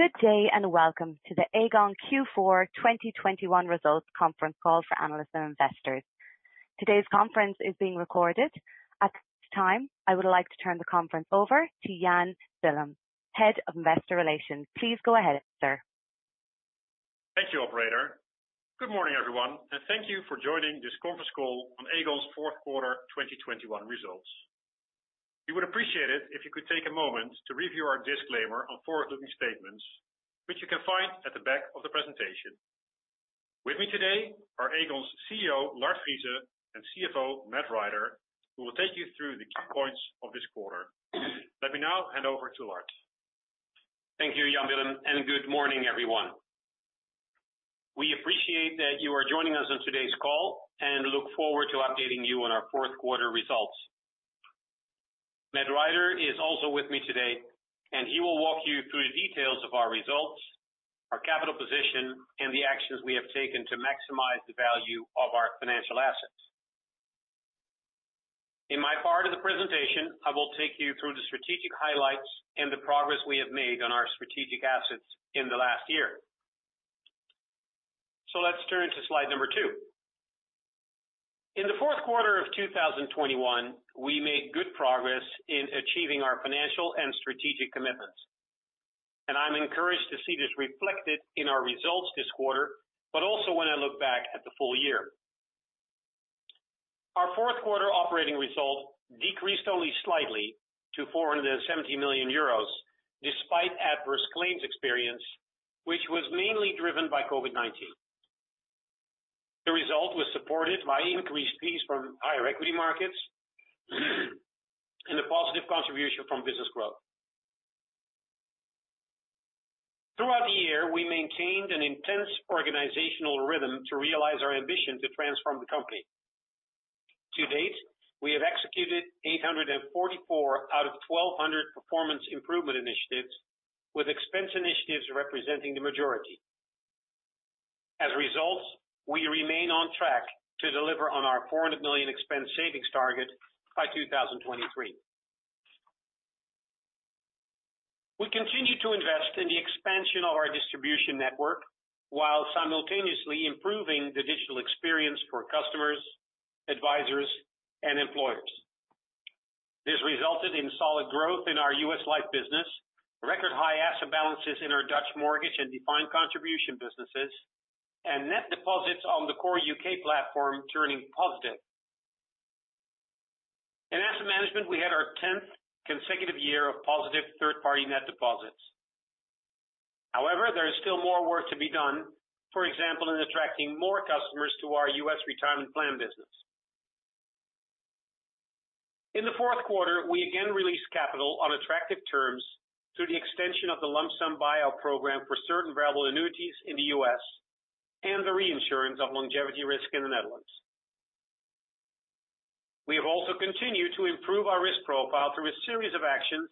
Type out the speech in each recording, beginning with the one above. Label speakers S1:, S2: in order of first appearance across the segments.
S1: Good day, and welcome to the Aegon Q4 2021 Results Conference Call for analysts and investors. Today's conference is being recorded. At this time, I would like to turn the conference over to Jan Willem Weidema, Head of Investor Relations. Please go ahead, sir.
S2: Thank you, operator. Good morning, everyone, and thank you for joining this conference call on Aegon's fourth quarter 2021 results. We would appreciate it if you could take a moment to review our disclaimer on forward-looking statements, which you can find at the back of the presentation. With me today are Aegon's CEO, Lard Friese, and CFO, Matt Rider, who will take you through the key points of this quarter. Let me now hand over to Lard.
S3: Thank you, Jan Willem, and good morning, everyone. We appreciate that you are joining us on today's call, and look forward to updating you on our fourth quarter results. Matt Rider is also with me today, and he will walk you through the details of our results, our capital position, and the actions we have taken to maximize the value of our financial assets. In my part of the presentation, I will take you through the strategic highlights and the progress we have made on our strategic assets in the last year. So let's turn to slide two. In the fourth quarter of 2021, we made good progress in achieving our financial and strategic commitments. I'm encouraged to see this reflected in our results this quarter, but also when I look back at the full year. Our fourth quarter operating result decreased only slightly to 470 million euros despite adverse claims experience, which was mainly driven by COVID-19. The result was supported by increased fees from higher equity markets and a positive contribution from business growth. Throughout the year, we maintained an intense organizational rhythm to realize our ambition to transform the company. To date, we have executed 844 out of 1,200 performance improvement initiatives, with expense initiatives representing the majority. As a result, we remain on track to deliver on our 400 million expense savings target by 2023. We continue to invest in the expansion of our distribution network while simultaneously improving the digital experience for customers, advisors, and employers. This resulted in solid growth in our U.S. Life business, record high asset balances in our Dutch mortgage and defined contribution businesses, and net deposits on the core U.K. platform turning positive. In asset management, we had our tenth consecutive year of positive third-party net deposits. However, there is still more work to be done, for example, in attracting more customers to our U.S. retirement plan business. In the fourth quarter, we again released capital on attractive terms through the extension of the lump sum buyout program for certain Variable Annuities in the U.S. and the reinsurance of longevity risk in the Netherlands. We have also continued to improve our risk profile through a series of actions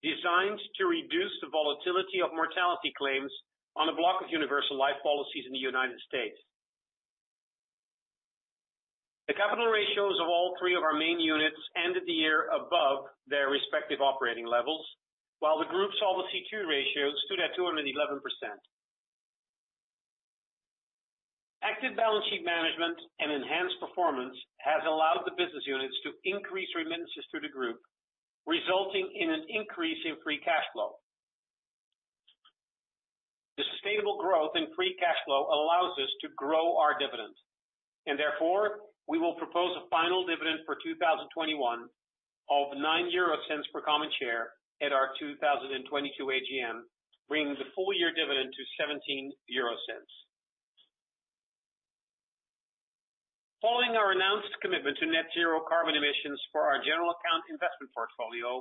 S3: designed to reduce the volatility of mortality claims on a block of Universal Life policies in the United States. The capital ratios of all three of our main units ended the year above their respective operating levels, while the group's Solvency II ratio stood at 211%. Active balance sheet management and enhanced performance has allowed the business units to increase remittances through the group, resulting in an increase in free cash flow. The sustainable growth in free cash flow allows us to grow our dividend, and therefore, we will propose a final dividend for 2021 of 0.09 per common share at our 2022 AGM, bringing the full year dividend to 0.17. Following our announced commitment to net zero carbon emissions for our general account investment portfolio,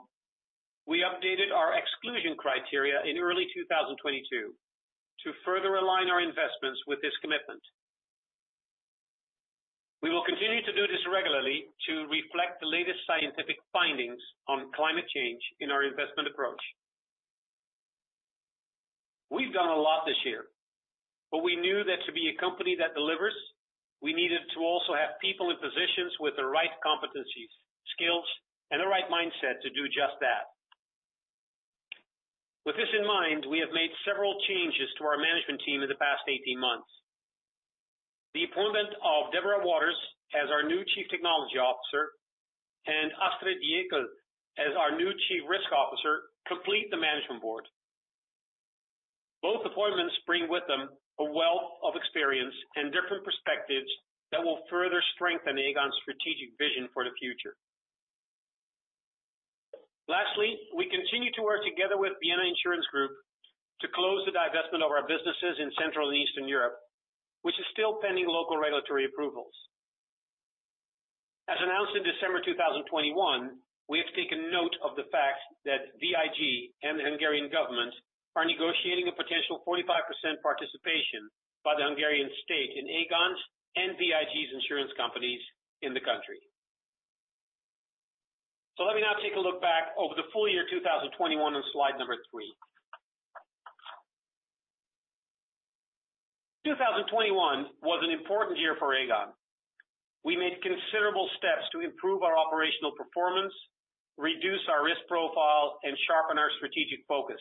S3: we updated our exclusion criteria in early 2022 to further align our investments with this commitment. We will continue to do this regularly to reflect the latest scientific findings on climate change in our investment approach. We've done a lot this year, but we knew that to be a company that delivers, we needed to also have people in positions with the right competencies, skills, and the right mindset to do just that. With this in mind, we have made several changes to our management team in the past 18 months. The appointment of Deborah Waters as our new Chief Technology Officer and Astrid Jeuken as our new Chief Risk Officer complete the Management Board. Both appointments bring with them a wealth of experience and different perspectives that will further strengthen Aegon's strategic vision for the future. Lastly, we continue to work together with Vienna Insurance Group to close the divestment of our businesses in Central and Eastern Europe, which is still pending local regulatory approvals. As announced in December 2021, we have taken note of the fact that VIG and the Hungarian government are negotiating a potential 45% participation by the Hungarian state in Aegon's and VIG's insurance companies in the country. Let me now take a look back over the full year 2021 on slide number 3. 2021 was an important year for Aegon. We made considerable steps to improve our operational performance, reduce our risk profile, and sharpen our strategic focus.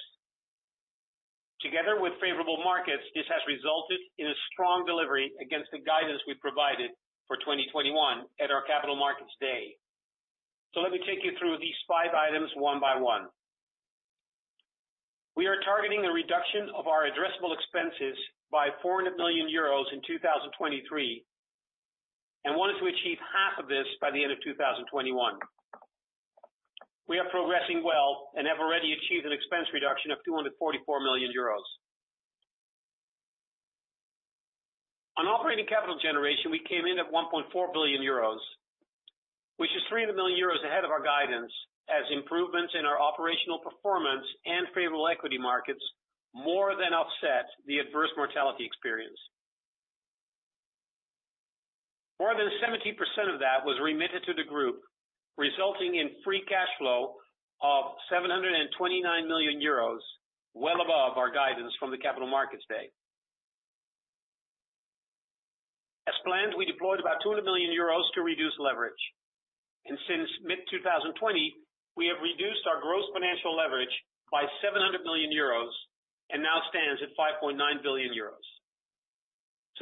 S3: Together with favorable markets, this has resulted in a strong delivery against the guidance we provided for 2021 at our Capital Markets Day. Let me take you through these 5 items one by one. We are targeting a reduction of our addressable expenses by 400 million euros in 2023, and wanted to achieve half of this by the end of 2021. We are progressing well and have already achieved an expense reduction of 244 million euros. On operating capital generation, we came in at 1.4 billion euros, which is 300 million euros ahead of our guidance as improvements in our operational performance and favorable equity markets more than offset the adverse mortality experience. More than 70% of that was remitted to the group, resulting in free cash flow of 729 million euros, well above our guidance from the Capital Markets Day. As planned, we deployed about 200 million euros to reduce leverage, and since mid-2020, we have reduced our gross financial leverage by 700 million euros and now stands at 5.9 billion euros.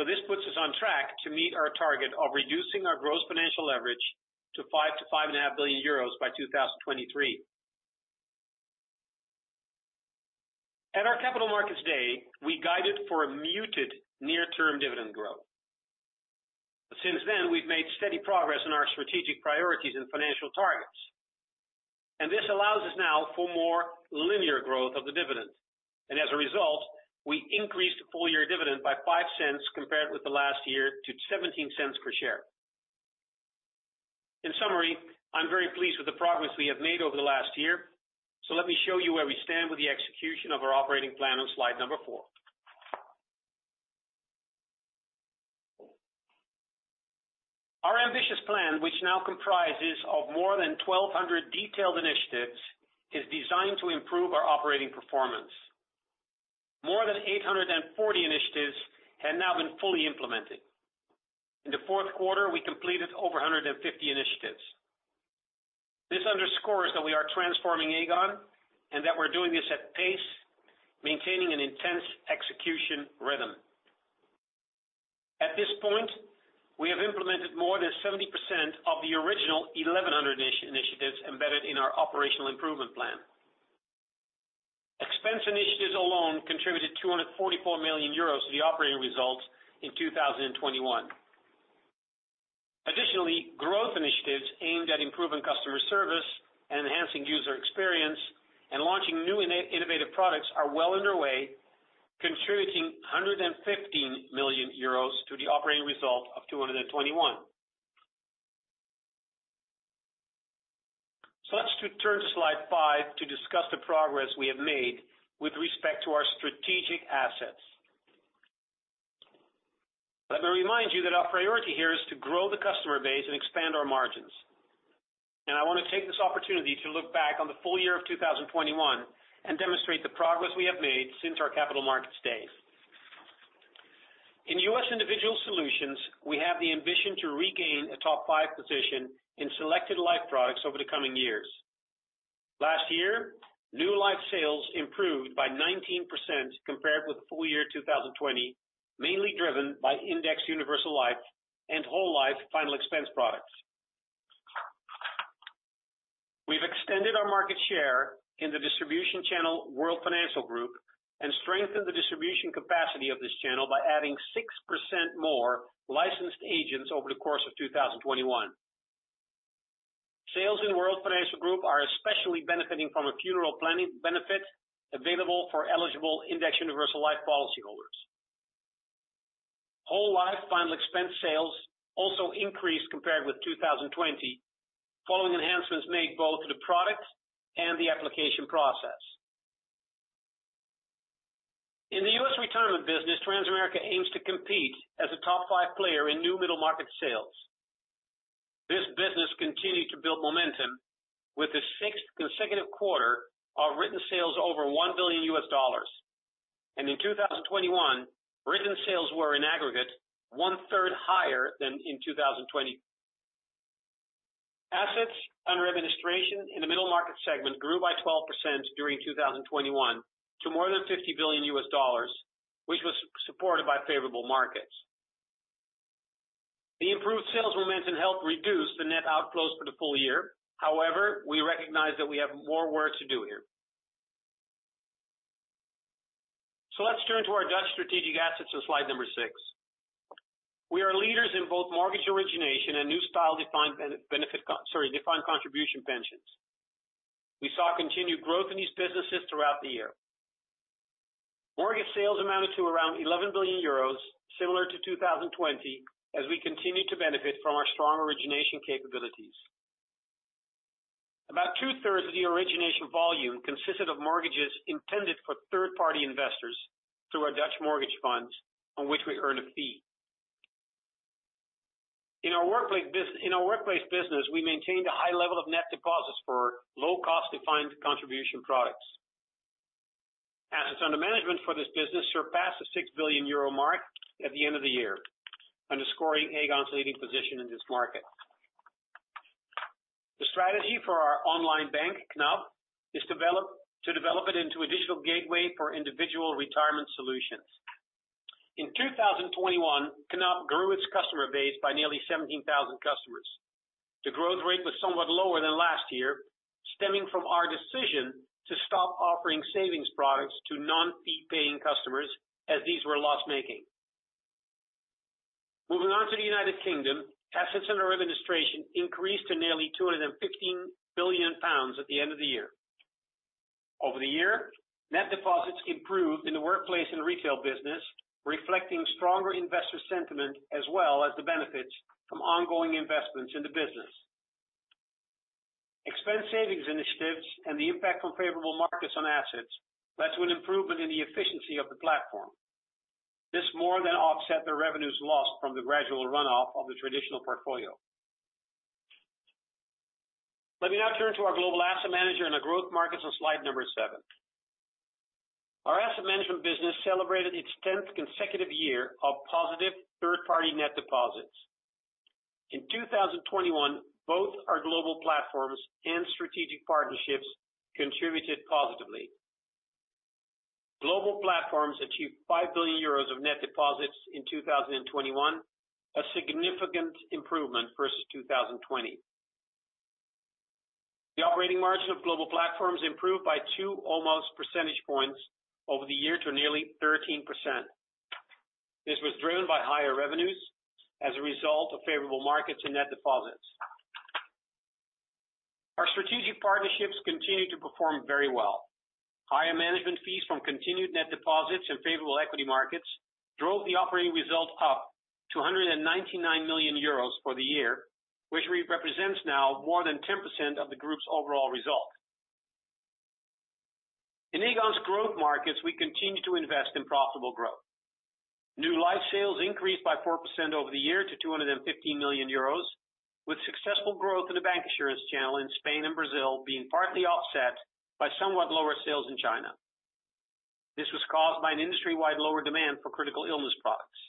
S3: This puts us on track to meet our target of reducing our gross financial leverage to 5 billion-5.5 billion euros by 2023. At our Capital Markets Day, we guided for a muted near-term dividend growth. Since then, we've made steady progress in our strategic priorities and financial targets. This allows us now for more linear growth of the dividend. As a result, we increased full-year dividend by 0.05 compared with the last year to 0.17 per share. In summary, I'm very pleased with the progress we have made over the last year. Let me show you where we stand with the execution of our operating plan on slide number 4. Our ambitious plan, which now comprises of more than 1,200 detailed initiatives, is designed to improve our operating performance. More than 840 initiatives have now been fully implemented. In the fourth quarter, we completed over 150 initiatives. This underscores that we are transforming Aegon and that we're doing this at pace, maintaining an intense execution rhythm. At this point, we have implemented more than 70% of the original 1,100 initiatives embedded in our operational improvement plan. Expense initiatives alone contributed 244 million euros to the operating results in 2021. Additionally, growth initiatives aimed at improving customer service and enhancing user experience and launching new innovative products are well underway, contributing 115 million euros to the operating result of 221 million. Let's turn to slide 5 to discuss the progress we have made with respect to our strategic assets. Let me remind you that our priority here is to grow the customer base and expand our margins. I wanna take this opportunity to look back on the full year of 2021 and demonstrate the progress we have made since our Capital Markets Day. In U.S. Individual Solutions, we have the ambition to regain a top five position in selected life products over the coming years. Last year, new life sales improved by 19% compared with full year 2020, mainly driven by Index Universal Life and Whole Life final expense products. We've extended our market share in the distribution channel World Financial Group, and strengthened the distribution capacity of this channel by adding 6% more licensed agents over the course of 2021. Sales in World Financial Group are especially benefiting from a funeral planning benefit available for eligible Index Universal Life policyholders. Whole Life final expense sales also increased compared with 2020, following enhancements made both to the product and the application process. In the US retirement business, Transamerica aims to compete as a top five player in new middle market sales. This business continued to build momentum with the sixth consecutive quarter of written sales over $1 billion. In 2021, written sales were in aggregate one-third higher than in 2020. Assets under administration in the middle market segment grew by 12% during 2021 to more than $50 billion, which was supported by favorable markets. The improved sales momentum helped reduce the net outflows for the full year. However, we recognize that we have more work to do here. Let's turn to our Dutch strategic assets on slide 6. We are leaders in both mortgage origination and new style defined contribution pensions. We saw continued growth in these businesses throughout the year. Mortgage sales amounted to around 11 billion euros, similar to 2020, as we continue to benefit from our strong origination capabilities. About two-thirds of the origination volume consisted of mortgages intended for third-party investors through our Dutch mortgage funds on which we earn a fee. In our workplace business, we maintained a high level of net deposits for low cost defined contribution products. Assets under management for this business surpassed the 6 billion euro mark at the end of the year, underscoring Aegon's leading position in this market. The strategy for our online bank, Knab, is to develop it into a digital gateway for individual retirement solutions. In 2021, Knab grew its customer base by nearly 17,000 customers. The growth rate was somewhat lower than last year, stemming from our decision to stop offering savings products to non-fee paying customers as these were loss-making. Moving on to the United Kingdom, assets under administration increased to nearly 215 billion pounds at the end of the year. Over the year, net deposits improved in the workplace and retail business, reflecting stronger investor sentiment as well as the benefits from ongoing investments in the business. Expense savings initiatives and the impact from favorable markets on assets led to an improvement in the efficiency of the platform. This more than offset the revenues lost from the gradual runoff of the traditional portfolio. Let me now turn to our global asset manager in the growth markets on slide number 7. Our asset management business celebrated its 10th consecutive year of positive third party net deposits. In 2021, both our global platforms and strategic partnerships contributed positively. Global platforms achieved 5 billion euros of net deposits in 2021, a significant improvement versus 2020. The operating margin of global platforms improved by almost 2 percentage points over the year to nearly 13%. This was driven by higher revenues as a result of favorable markets and net deposits. Our strategic partnerships continued to perform very well. Higher management fees from continued net deposits and favorable equity markets drove the operating result up to 199 million euros for the year, which represents now more than 10% of the group's overall result. In Aegon's growth markets, we continue to invest in profitable growth. New life sales increased by 4% over the year to 250 million euros, with successful growth in the bank insurance channel in Spain and Brazil being partly offset by somewhat lower sales in China. This was caused by an industry-wide lower demand for critical illness products.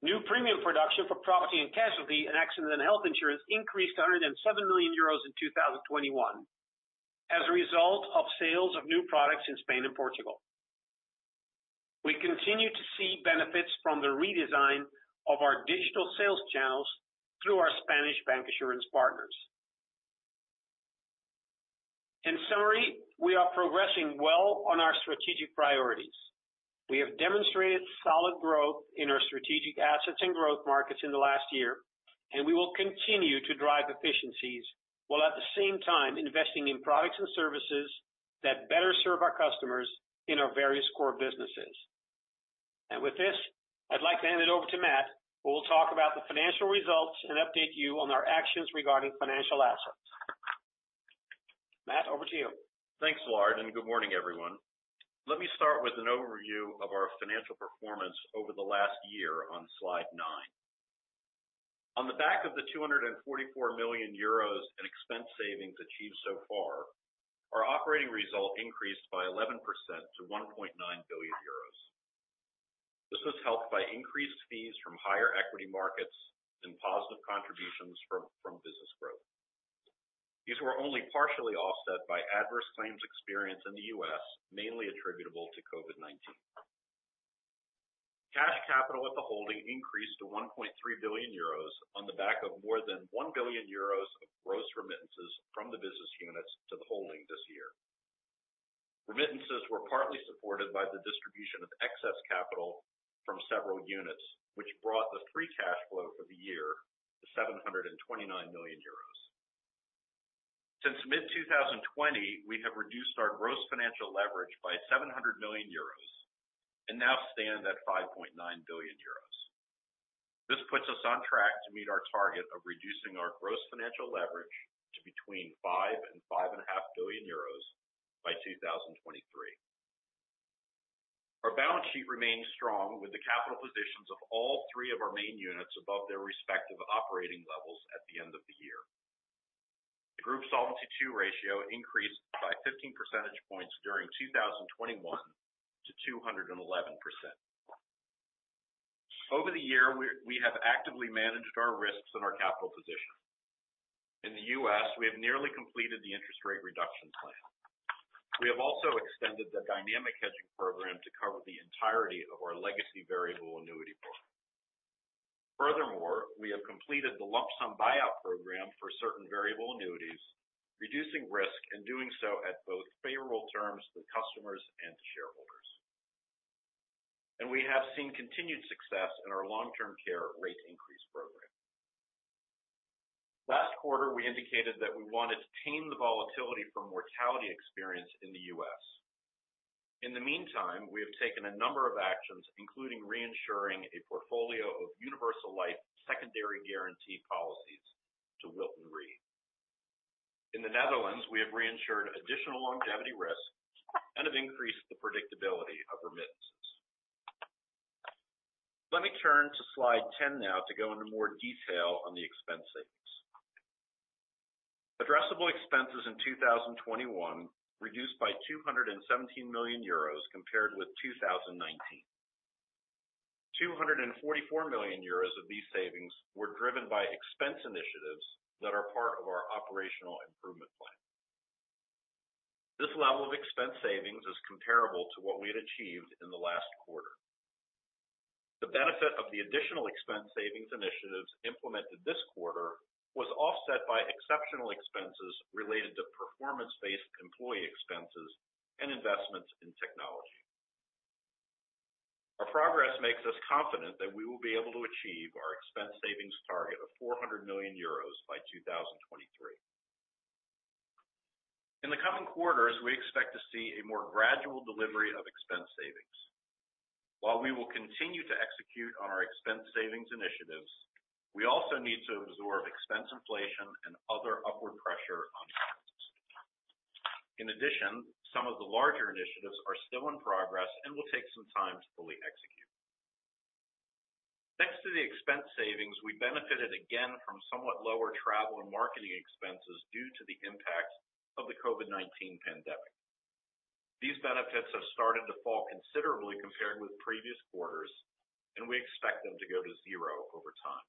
S3: New premium production for property and casualty and accident and health insurance increased 107 million euros in 2021 as a result of sales of new products in Spain and Portugal. We continue to see benefits from the redesign of our digital sales channels through our Spanish bank insurance partners. In summary, we are progressing well on our strategic priorities. We have demonstrated solid growth in our strategic assets and growth markets in the last year, and we will continue to drive efficiencies, while at the same time investing in products and services that better serve our customers in our various core businesses. With this, I'd like to hand it over to Matt, who will talk about the financial results and update you on our actions regarding financial assets. Matt, over to you.
S4: Thanks, Lard, and good morning, everyone. Let me start with an overview of our financial performance over the last year on slide 9. On the back of 244 million euros in expense savings achieved so far, our operating result increased by 11% to 1.9 billion euros. This was helped by increased fees from higher equity markets and positive contributions from business growth. These were only partially offset by adverse claims experience in the U.S., mainly attributable to COVID-19. Cash capital at the holding increased to 1.3 billion euros on the back of more than 1 billion euros of gross remittances from the business units to the holding this year. Remittances were partly supported by the distribution of excess capital from several units, which brought the free cash flow for the year to 729 million euros. Since mid-2020, we have reduced our gross financial leverage by 700 million euros and now stand at 5.9 billion euros. This puts us on track to meet our target of reducing our gross financial leverage to between 5 billion euros and 5.5 billion euros by 2023. Our balance sheet remains strong with the capital positions of all three of our main units above their respective operating levels at the end of the year. The Group Solvency II ratio increased by 15 percentage points during 2021 to 211%. Over the year, we have actively managed our risks and our capital position. In the U.S., we have nearly completed the interest rate reduction plan. We have also extended the dynamic hedging program to cover the entirety of our legacy variable annuity book. Furthermore, we have completed the lump sum buyout program for certain Variable Annuities, reducing risk and doing so at both favorable terms to the customers and to shareholders. We have seen continued success in our Long-Term Care rate increase program. Last quarter, we indicated that we wanted to tame the volatility from mortality experience in the U.S. In the meantime, we have taken a number of actions, including reinsuring a portfolio of Secondary Guarantee Universal Life policies. In the Netherlands, we have reinsured additional longevity risks and have increased the predictability of remittances. Let me turn to slide 10 now to go into more detail on the expense savings. Addressable expenses in 2021 reduced by 217 million euros compared with 2019. 244 million euros of these savings were driven by expense initiatives that are part of our operational improvement plan. This level of expense savings is comparable to what we had achieved in the last quarter. The benefit of the additional expense savings initiatives implemented this quarter was offset by exceptional expenses related to performance-based employee expenses and investments in technology. Our progress makes us confident that we will be able to achieve our expense savings target of 400 million euros by 2023. In the coming quarters, we expect to see a more gradual delivery of expense savings. While we will continue to execute on our expense savings initiatives, we also need to absorb expense inflation and other upward pressure on costs. In addition, some of the larger initiatives are still in progress and will take some time to fully execute. Thanks to the expense savings, we benefited again from somewhat lower travel and marketing expenses due to the impact of the COVID-19 pandemic. These benefits have started to fall considerably compared with previous quarters, and we expect them to go to zero over time.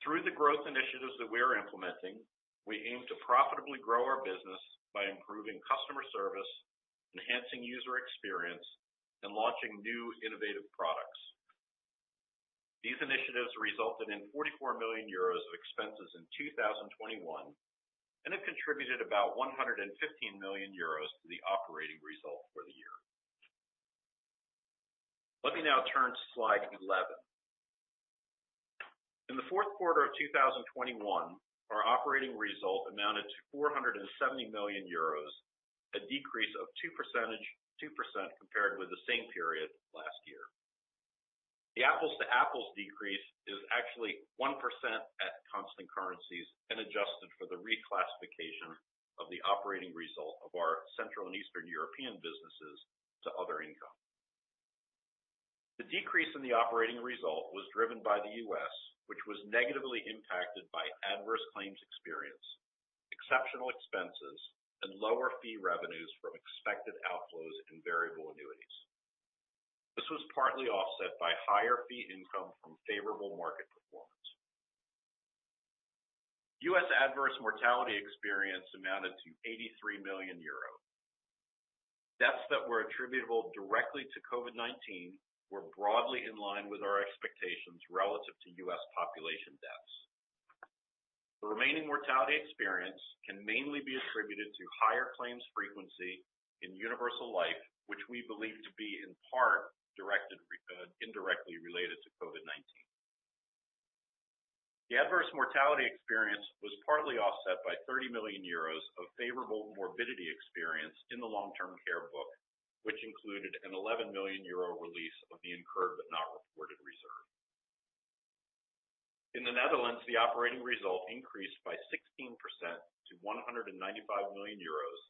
S4: Through the growth initiatives that we are implementing, we aim to profitably grow our business by improving customer service, enhancing user experience, and launching new innovative products. These initiatives resulted in 44 million euros of expenses in 2021 and have contributed about 115 million euros to the operating result for the year. Let me now turn to slide 11. In the fourth quarter of 2021, our operating result amounted to 470 million euros, a decrease of 2% compared with the same period last year. The apples to apples decrease is actually 1% at constant currencies and adjusted for the reclassification of the operating result of our Central and Eastern European businesses to other income. The decrease in the operating result was driven by the U.S., which was negatively impacted by adverse claims experience, exceptional expenses, and lower fee revenues from expected outflows and Variable Annuities. This was partly offset by higher fee income from favorable market performance. U.S. adverse mortality experience amounted to 83 million euros. Deaths that were attributable directly to COVID-19 were broadly in line with our expectations relative to U.S. population deaths. The remaining mortality experience can mainly be attributed to higher claims frequency in Universal Life, which we believe to be in part indirectly related to COVID-19. The adverse mortality experience was partly offset by 30 million euros of favorable morbidity experience in the Long-Term Care book, which included a 11 million euro release of the incurred but not reported reserve. In the Netherlands, the operating result increased by 16% to 195 million euros,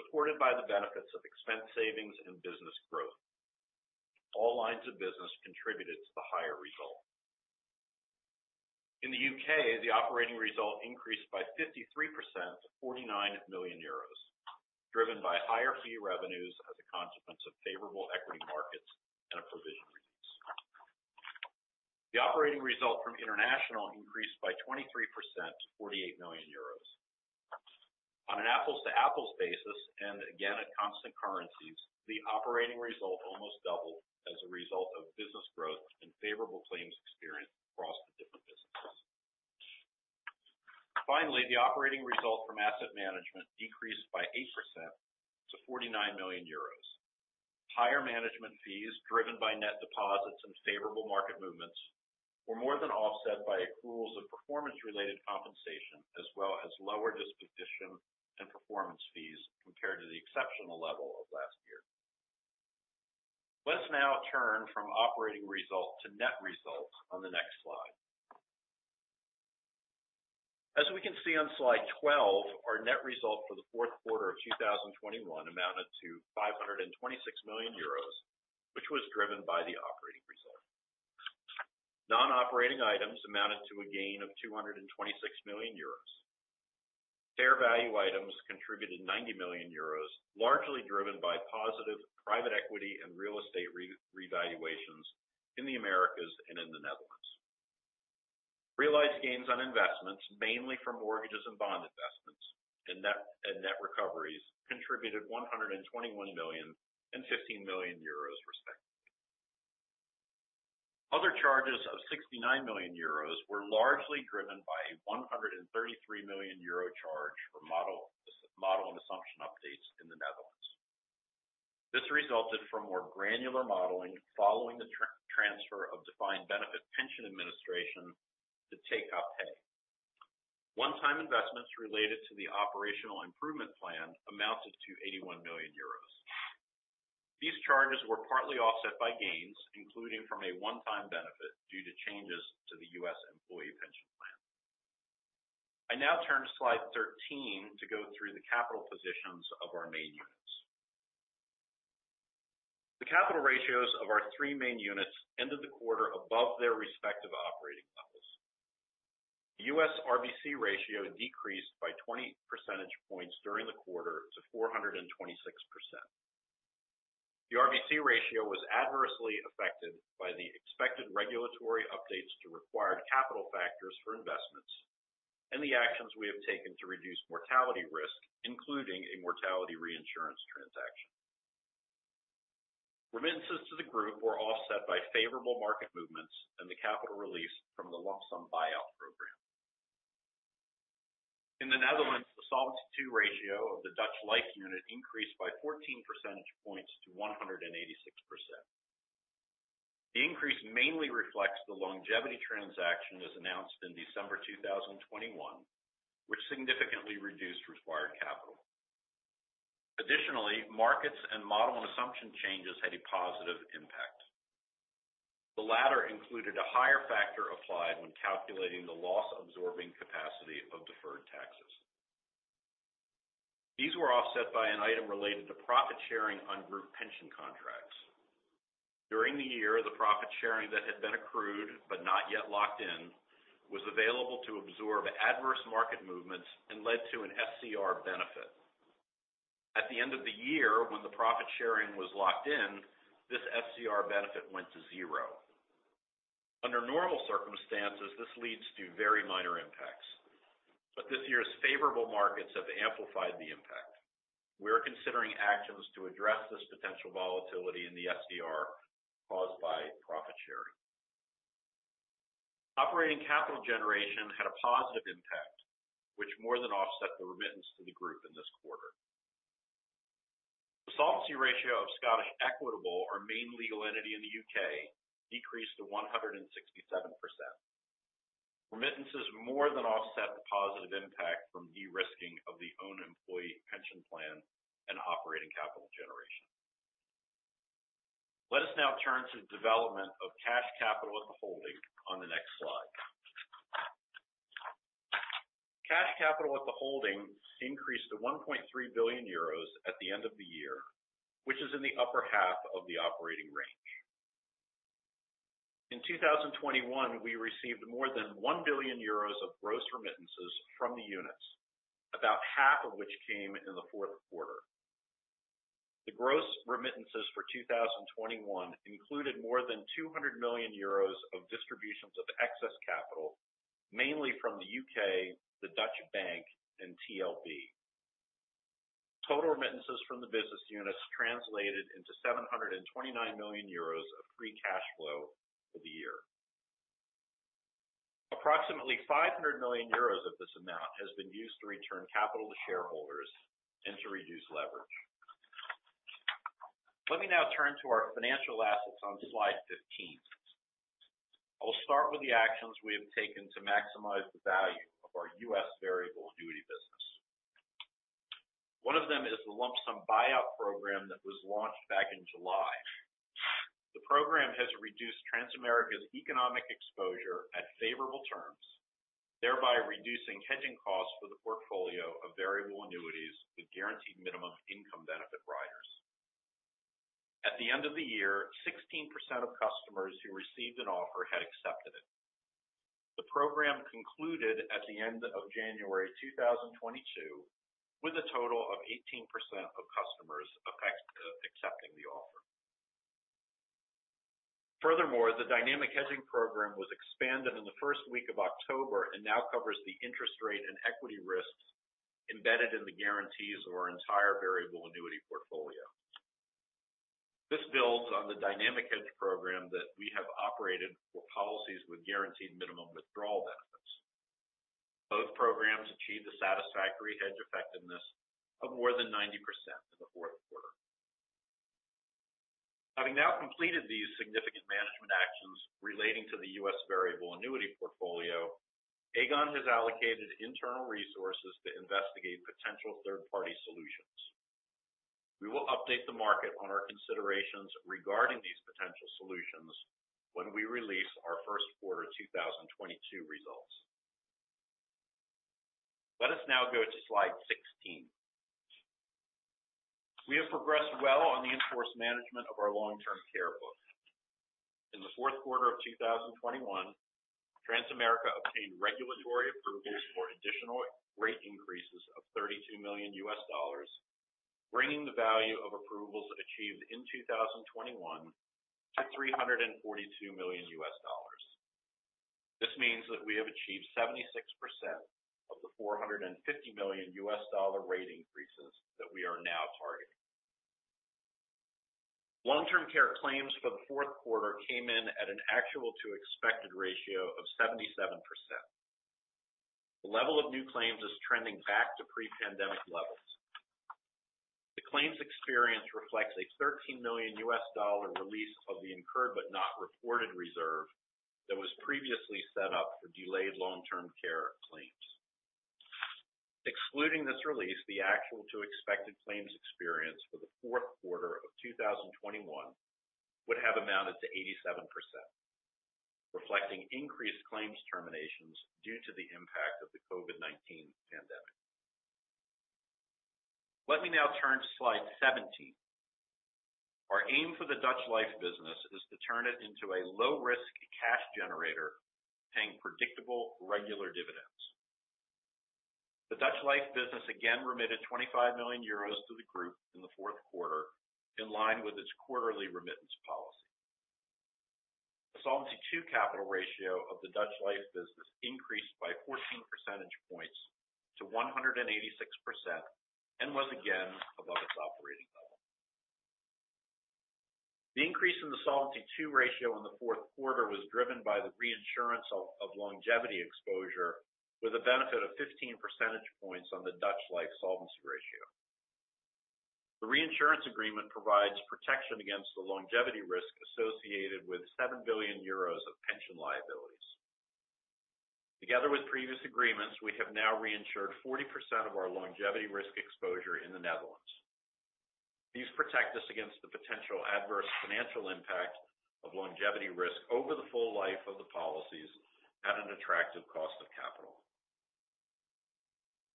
S4: supported by the benefits of expense savings and business growth. All lines of business contributed to the higher result. In the U.K., the operating result increased by 53% to 49 million euros, driven by higher fee revenues as a consequence of favorable equity markets and a provision release. The operating result from international increased by 23% to 48 million euros. On an apples to apples basis, and again at constant currencies, the operating result almost doubled as a result of business growth and favorable claims experience across the different businesses. Finally, the operating result from asset management decreased by 8% to 49 million euros. Higher management fees driven by net deposits and favorable market movements were more than offset by accruals of performance-related compensation as well as lower disposition and performance fees compared to the exceptional level of last year. Let's now turn from operating result to net results on the next slide. As we can see on slide 12, our net result for the fourth quarter of 2021 amounted to 526 million euros, which was driven by the operating result. Non-operating items amounted to a gain of 226 million euros. Fair value items contributed 90 million euros, largely driven by positive private equity and real estate revaluations in the Americas and in the Netherlands. Realized gains on investments, mainly from mortgages and bond investments and net recoveries contributed 121 million and 15 million euros, respectively. Other charges of 69 million euros were largely driven by a 133 million euro charge for model and assumption updates in the Netherlands. This resulted from more granular modeling following the transfer of defined benefit pension administration to TKP. One-time investments related to the operational improvement plan amounted to 81 million euros. These charges were partly offset by gains, including from a one-time benefit due to changes to the U.S. employee pension plan. I now turn to slide 13 to go through the capital positions of our main units. The capital ratios of our 3 main units ended the quarter above their respective operating levels. U.S. RBC ratio decreased by 20 percentage points during the quarter to 426%. The RBC ratio was adversely affected by the expected regulatory updates to required capital factors for investments and the actions we have taken to reduce mortality risk, including a mortality reinsurance transaction. Remittances to the group were offset by favorable market movements and the capital release from the lump sum buyout program. In the Netherlands, the Solvency II ratio of the Dutch Life unit increased by 14 percentage points to 186%. The increase mainly reflects the longevity transaction as announced in December 2021, which significantly reduced required capital. Additionally, markets and model and assumption changes had a positive impact. The latter included a higher factor applied when calculating the loss-absorbing capacity of deferred taxes. These were offset by an item related to profit sharing on group pension contracts. During the year, the profit sharing that had been accrued but not yet locked in was available to absorb adverse market movements and led to an SCR benefit. At the end of the year when the profit sharing was locked in, this SCR benefit went to zero. Under normal circumstances, this leads to very minor impacts, but this year's favorable markets have amplified the impact. We are considering actions to address this potential volatility in the SCR caused by profit sharing. Operating capital generation had a positive impact, which more than offset the remittance to the group in this quarter. The solvency ratio of Scottish Equitable, our main legal entity in the U.K., decreased to 167%. Remittances more than offset the positive impact from de-risking of the own employee pension plan and operating capital generation. Let us now turn to the development of cash capital at the holding on the next slide. Cash capital at the holding increased to 1.3 billion euros at the end of the year, which is in the upper half of the operating range. In 2021, we received more than 1 billion euros of gross remittances from the units, about half of which came in the fourth quarter. The gross remittances for 2021 included more than 200 million euros of distributions of excess capital, mainly from the U.K., the Dutch Bank, and TLB. Total remittances from the business units translated into 729 million euros of free cash flow for the year. Approximately 500 million euros of this amount has been used to return capital to shareholders and to reduce leverage. Let me now turn to our financial assets on slide 15. I'll start with the actions we have taken to maximize the value of our U.S. variable annuity business. One of them is the lump sum buyout program that was launched back in July. The program has reduced Transamerica's economic exposure at favorable terms, thereby reducing hedging costs for the portfolio of variable annuities with guaranteed minimum income benefit riders. At the end of the year, 16% of customers who received an offer had accepted it. The program concluded at the end of January two thousand twenty-two with a total of 18% of customers accepting the offer. Furthermore, the dynamic hedging program was expanded in the first week of October and now covers the interest rate and equity risks embedded in the guarantees of our entire variable annuity portfolio. This builds on the dynamic hedge program that we have operated for policies with guaranteed minimum withdrawal benefits. Both programs achieved a satisfactory hedge effectiveness of more than 90% in the fourth quarter. Having now completed these significant management actions relating to the U.S. variable annuity portfolio, Aegon has allocated internal resources to investigate potential third-party solutions. We will update the market on our considerations regarding these potential solutions when we release our first quarter 2022 results. Let us now go to slide 16. We have progressed well on the in-force management of our Long-Term Care book. In the fourth quarter of 2021, Transamerica obtained regulatory approvals for additional rate increases of $32 million, bringing the value of approvals achieved in 2021 to $342 million. This means that we have achieved 76% of the $450 million rate increases that we are now targeting. Long-term care claims for the fourth quarter came in at an actual to expected ratio of 77%. The level of new claims is trending back to pre-pandemic levels. The claims experience reflects a $13 million release of the incurred but not reported reserve that was previously set up for delayed long-term care claims. Excluding this release, the actual to expected claims experience for the fourth quarter of 2021 would have amounted to 87%, reflecting increased claims terminations due to the impact of the COVID-19 pandemic. Let me now turn to slide 17. Our aim for the Dutch Life business is to turn it into a low risk cash generator, paying predictable regular dividends. The Dutch Life business again remitted 25 million euros to the group in the fourth quarter, in line with its quarterly remittance policy. Solvency II capital ratio of the Dutch Life business increased by 14 percentage points to 186%, and was again above its operating level. The increase in the Solvency II ratio in the fourth quarter was driven by the reinsurance of longevity exposure with a benefit of 15 percentage points on the Dutch Life solvency ratio. The reinsurance agreement provides protection against the longevity risk associated with 7 billion euros of pension liabilities. Together with previous agreements, we have now reinsured 40% of our longevity risk exposure in the Netherlands. These protect us against the potential adverse financial impact of longevity risk over the full life of the policies at an attractive cost of capital.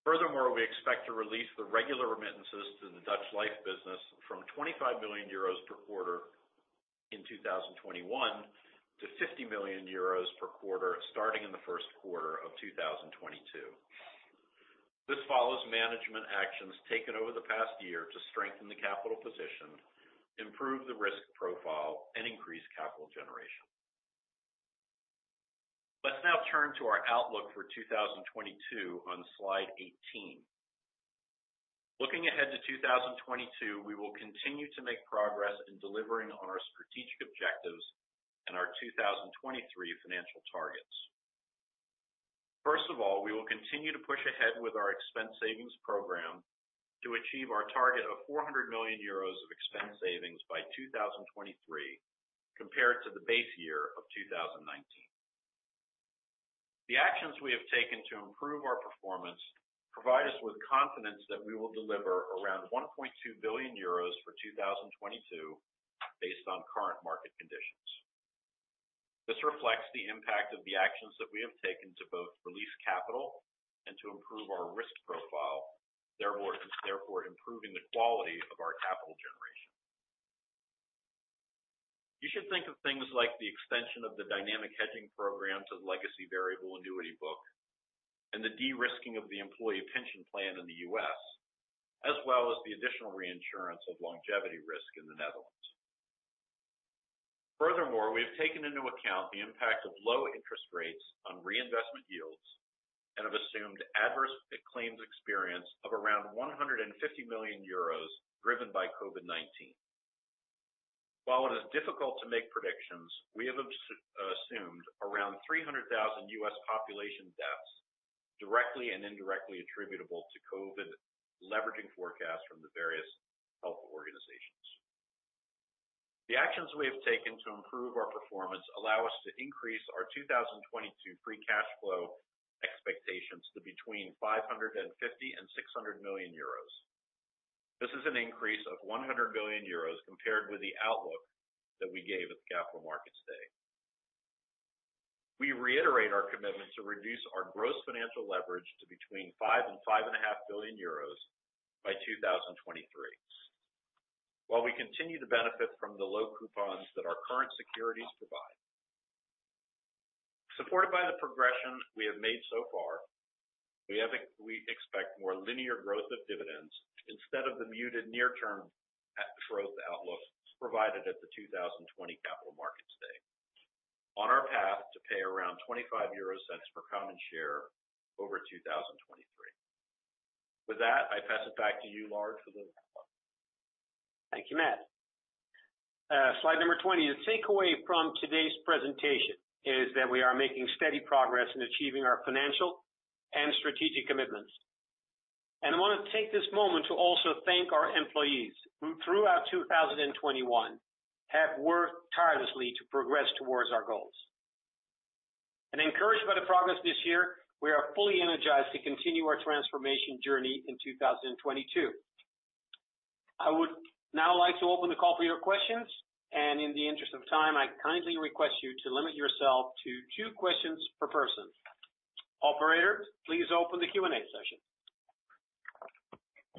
S4: Furthermore, we expect to release the regular remittances to the Dutch Life business from 25 million euros per quarter in 2021 to 50 million euros per quarter starting in the first quarter of 2022. This follows management actions taken over the past year to strengthen the capital position, improve the risk profile and increase capital generation. Let's now turn to our outlook for 2022 on slide 18. Looking ahead to 2022, we will continue to make progress in delivering on our strategic objectives and our 2023 financial targets. First of all, we will continue to push ahead with our expense savings program to achieve our target of 400 million euros of expense savings by 2023, compared to the base year of 2019. The actions we have taken to improve our performance provide us with confidence that we will deliver around 1.2 billion euros for 2022 based on current market conditions. This reflects the impact of the actions that we have taken to both release capital and to improve our risk profile, therefore improving the quality of our capital generation. You should think of things like the extension of the dynamic hedging programs of legacy Variable Annuity book, and the de-risking of the employee pension plan in the U.S., as well as the additional reinsurance of longevity risk in the Netherlands. Furthermore, we have taken into account the impact of low interest rates on reinvestment yields and have assumed adverse claims experience of around 150 million euros driven by COVID-19. While it is difficult to make predictions, we have assumed around 300,000 U.S. population deaths directly and indirectly attributable to COVID, leveraging forecasts from the various health organizations. The actions we have taken to improve our performance allow us to increase our 2022 free cash flow expectations to between 550 million and 600 million euros. This is an increase of 100 million euros compared with the outlook that we gave at the Capital Markets Day. We reiterate our commitment to reduce our gross financial leverage to between 5 billion euros and EUR 5.5 billion by 2023 while we continue to benefit from the low coupons that our current securities provide. Supported by the progression we have made so far, we expect more linear growth of dividends instead of the muted near term growth outlook provided at the 2020 Capital Markets Day on our path to pay around €0.25 per common share over 2023. With that, I pass it back to you, Lard, for the wrap up.
S3: Thank you, Matt. Slide number 20. The takeaway from today's presentation is that we are making steady progress in achieving our financial and strategic commitments. I want to take this moment to also thank our employees who, throughout 2021, have worked tirelessly to progress towards our goals. Encouraged by the progress this year, we are fully energized to continue our transformation journey in 2022. I would now like to open the call for your questions, and in the interest of time, I kindly request you to limit yourself to two questions per person. Operator, please open the Q&A session.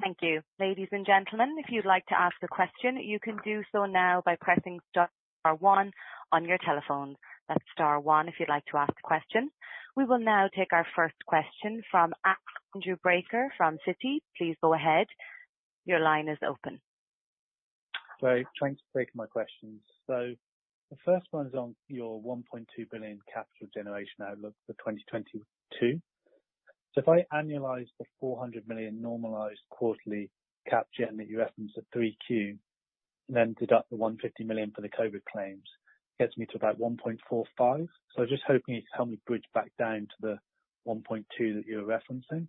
S1: Thank you. Ladies and gentlemen, if you'd like to ask a question, you can do so now by pressing star one on your telephone. That's star one if you'd like to ask a question. We will now take our first question from Andrew Baker from Citi. Please go ahead. Your line is open.
S5: Trying to break down my questions. The first one is on your 1.2 billion capital generation outlook for 2022. If I annualize the 400 million normalized quarterly capital generation that you referenced at 3Q, then deduct the 150 million for the COVID claims, gets me to about 1.45 billion. Just hoping you can help me bridge back down to the 1.2 billion that you're referencing.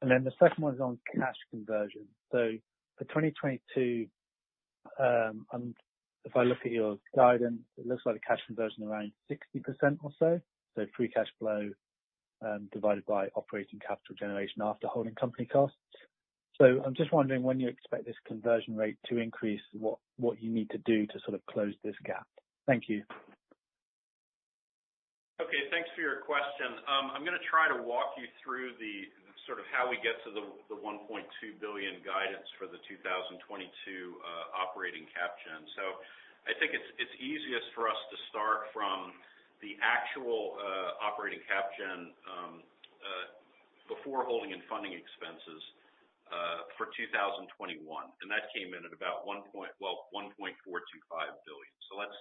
S5: The second one is on cash conversion. For 2022, and if I look at your guidance, it looks like a cash conversion around 60% or so. Free cash flow divided by operating capital generation after holding company costs. I'm just wondering when you expect this conversion rate to increase, what you need to do to sort of close this gap. Thank you.
S4: Okay, thanks for your question. I'm gonna try to walk you through the sort of how we get to the 1.2 billion guidance for the 2022 operating cap gen. I think it's easiest for us to start from the actual operating cap gen before holding and funding expenses for 2021, and that came in at about 1.425 billion.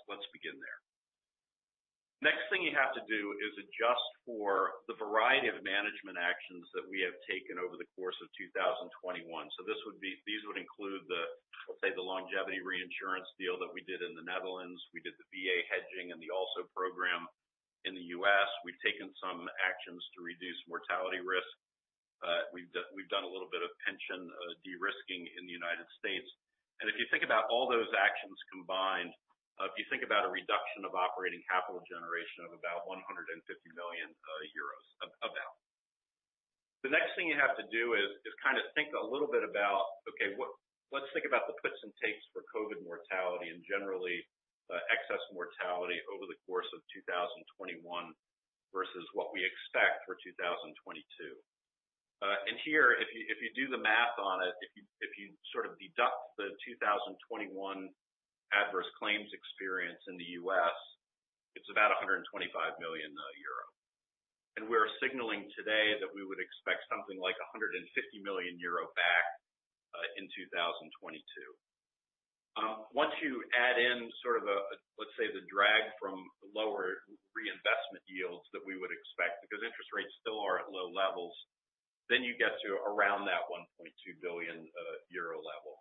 S4: Let's begin there. Next thing you have to do is adjust for the variety of management actions that we have taken over the course of 2021. This would include the longevity reinsurance deal that we did in the Netherlands. We did the VA hedging and the lump-sum buy-out program in the U.S. We've taken some actions to reduce mortality risk. We've done a little bit of pension de-risking in the U.S. If you think about all those actions combined, if you think about a reduction of operating capital generation of about 150 million euros. The next thing you have to do is kind of think a little bit about the puts and takes for COVID mortality and generally excess mortality over the course of 2021 versus what we expect for 2022. Here, if you do the math on it, if you sort of deduct the 2021 adverse claims experience in the U.S., it's about 125 million euro. We're signaling today that we would expect something like 150 million euro back in 2022. Once you add in sort of a, let's say, the drag from lower reinvestment yields that we would expect because interest rates still are at low levels, then you get to around that 1.2 billion euro level.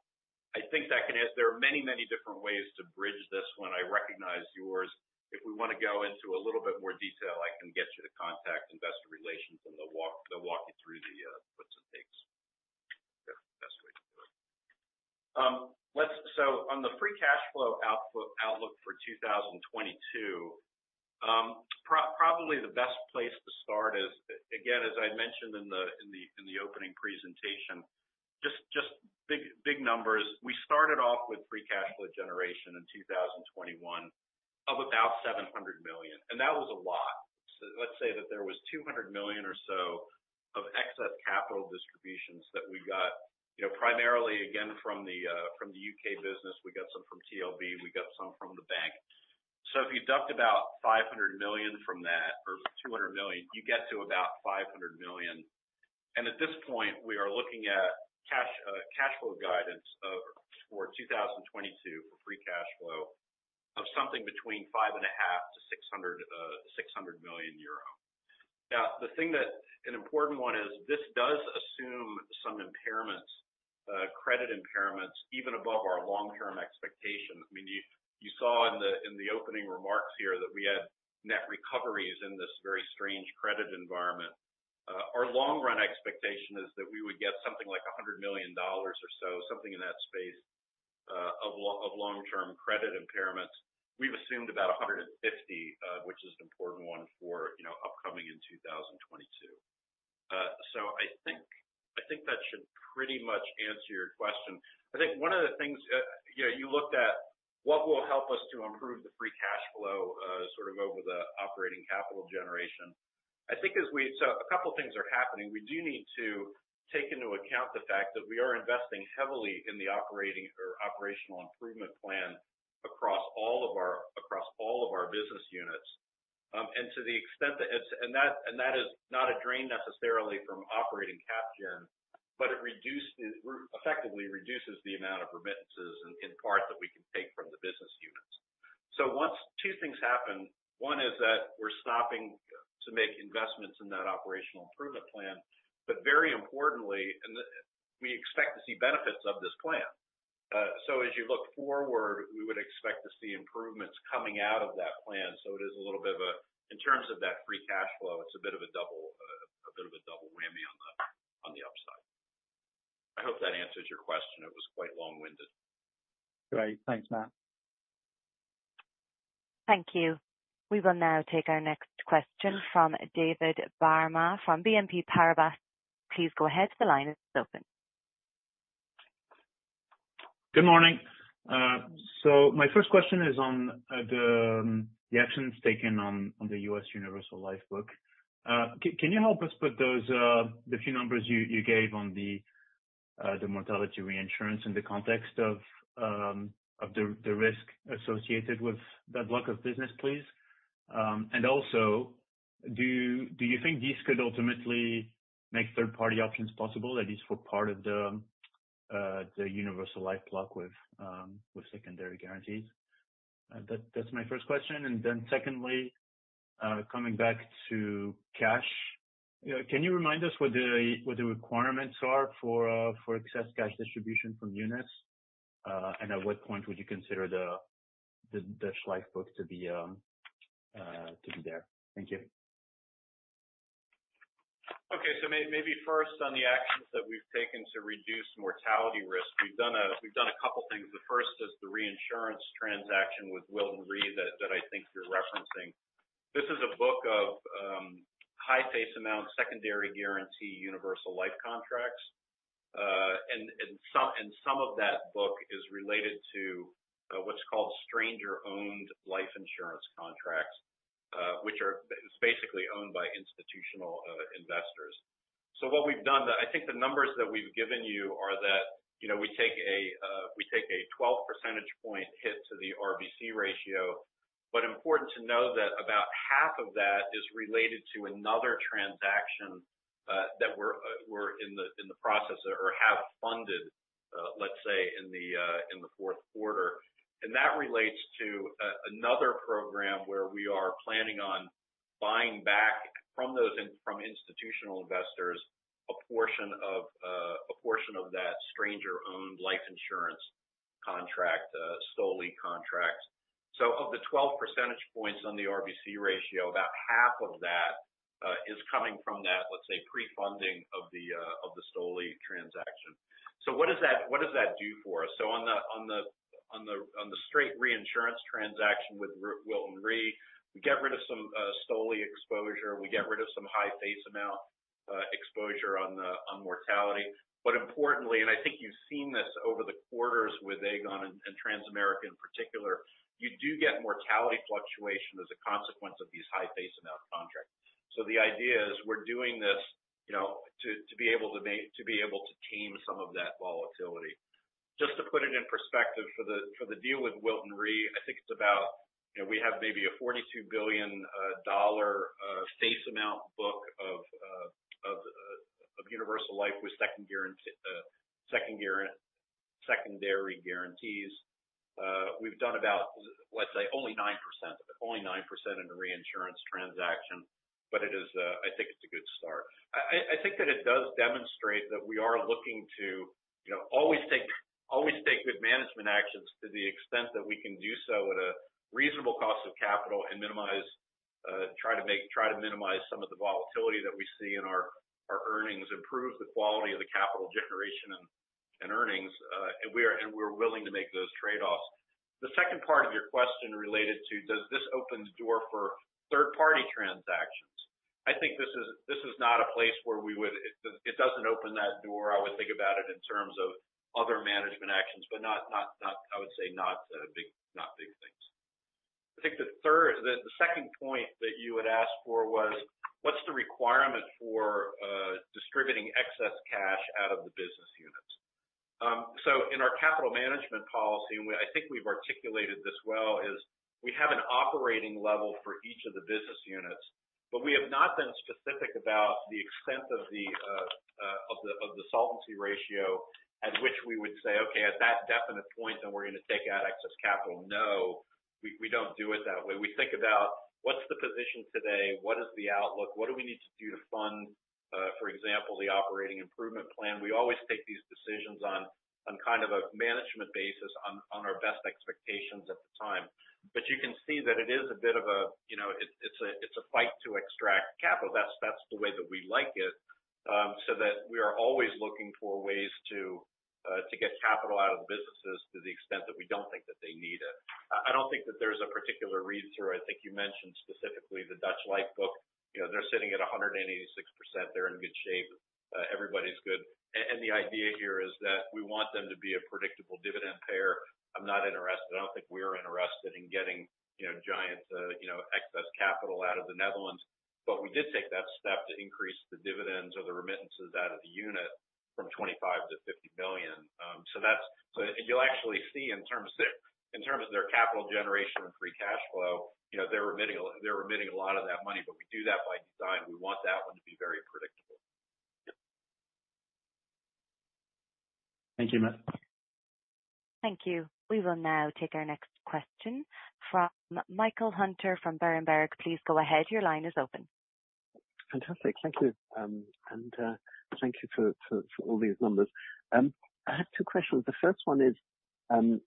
S4: I think that can add. There are many, many different ways to bridge this one. I recognize yours. If we wanna go into a little bit more detail, I can get you to contact investor relations, and they'll walk you through the puts and takes. The best way to do it. On the free cash flow outlook for 2022, probably the best place to start is, again, as I mentioned in the opening presentation, just big numbers. We started off with free cash flow generation in 2021 of about 700 million, and that was a lot. Let's say that there was 200 million or so of excess capital distributions that we got, you know, primarily again from the UK business. We got some from TLB, we got some from the bank. If you deduct about 500 million from that or 200 million, you get to about 500 million. At this point, we are looking at cash flow guidance for 2022 for free cash flow of something between 550 million-600 million euro. Now, an important thing is this does assume some impairments, credit impairments even above our long-term expectations. I mean, you saw in the opening remarks here that we had net recoveries in this very strange credit environment. Our long-run expectation is that we would get something like $100 million or so, something in that space, of long-term credit impairments. We've assumed about $150 million, which is an important one for, you know, upcoming in 2022. So I think that should pretty much answer your question. I think one of the things, you know, you looked at what will help us to improve the free cash flow, sort of over the operating capital generation. I think as we, a couple things are happening. We do need to take into account the fact that we are investing heavily in the operating or operational improvement plan across all of our business units. To the extent that it's not a drain necessarily from operating cap gen, but it effectively reduces the amount of remittances in part that we can take from the business units. Once two things happen, one is that we're stopping to make investments in that operational improvement plan, but very importantly, we expect to see benefits of this plan. As you look forward, we would expect to see improvements coming out of that plan. It is a little bit of a... In terms of that free cash flow, it's a bit of a double whammy on the upside. I hope that answers your question. It was quite long-winded.
S5: Great. Thanks, Matt.
S1: Thank you. We will now take our next question from David Barma from BNP Paribas. Please go ahead, the line is open.
S6: Good morning. My first question is on the actions taken on the U.S. Universal Life book. Can you help us put those few numbers you gave on the mortality reinsurance in the context of the risk associated with that block of business, please? Also, do you think this could ultimately make third-party options possible, at least for part of the Universal Life block with secondary guarantees? That's my first question. Secondly, coming back to cash, can you remind us what the requirements are for excess cash distribution from Aegon? At what point would you consider the Schleich book to be there? Thank you.
S4: Okay. Maybe first on the actions that we've taken to reduce mortality risk. We've done a couple things. The first is the reinsurance transaction with Wilton Re that I think you're referencing. This is a book of high face amount Secondary Guarantee Universal Life contracts. And some of that book is related to what's called stranger-owned life insurance contracts, which are basically owned by institutional investors. What we've done, I think the numbers that we've given you are that you know, we take a 12 percentage point hit to the RBC ratio. Important to know that about half of that is related to another transaction that we're in the process or have funded, let's say in the fourth quarter. That relates to another program where we are planning on buying back from those institutional investors, a portion of that stranger-owned life insurance contract, STOLI contracts. Of the 12 percentage points on the RBC ratio, about half of that is coming from that, let's say, pre-funding of the STOLI transaction. What does that do for us? On the straight reinsurance transaction with Wilton Re, we get rid of some STOLI exposure. We get rid of some high face amount exposure on mortality. Importantly, I think you've seen this over the quarters with Aegon and Transamerica in particular, you do get mortality fluctuation as a consequence of these high face amount contracts. The idea is we're doing this, you know, to be able to tame some of that volatility. Just to put it in perspective for the deal with Wilton Re, I think it's about, you know, we have maybe a $42 billion face amount book of Universal Life with secondary guarantees. We've done about, let's say only 9%. Only 9% in the reinsurance transaction, but it is, I think it's a good start. I think that it does demonstrate that we are looking to, you know, always take good management actions to the extent that we can do so at a reasonable cost of capital and try to minimize some of the volatility that we see in our earnings, improve the quality of the capital generation and earnings. We're willing to make those trade-offs. The second part of your question related to, does this open the door for third-party transactions? I think this is not a place where we would. It doesn't open that door. I would think about it in terms of other management actions, but not big things. I think the second point that you had asked for was, what's the requirement for distributing excess cash out of the business units? So in our capital management policy, I think we've articulated this well, is we have an operating level for each of the business units, but we have not been specific about the extent of the solvency ratio at which we would say, "Okay, at that definite point, then we're gonna take out excess capital." No, we don't do it that way. We think about what's the position today? What is the outlook? What do we need to do to fund, for example, the operating improvement plan? We always take these decisions on kind of a management basis on our best expectations at the time. You can see that it is a bit of a, you know, it's a fight to extract capital. That's the way that we like it, so that we are always looking for ways to get capital out of the businesses to the extent that we don't think that they need it. I don't think that there's a particular read through. I think you mentioned specifically the Dutch Life book. You know, they're sitting at 186%. They're in good shape. Everybody's good. The idea here is that we want them to be a predictable dividend payer. I'm not interested. I don't think we're interested in getting, you know, giant, you know, excess capital out of the Netherlands. We did take that step to increase the dividends or the remittances out of the unit from $25 billion to $50 billion. So you'll actually see in terms of their capital generation and free cash flow, you know, they're remitting a lot of that money, but we do that by design. We want that one to be very predictable.
S6: Thank you, Matt.
S1: Thank you. We will now take our next question from Michael Huttner from Berenberg. Please go ahead. Your line is open.
S7: Fantastic. Thank you. Thank you for all these numbers. I had two questions. The first one is,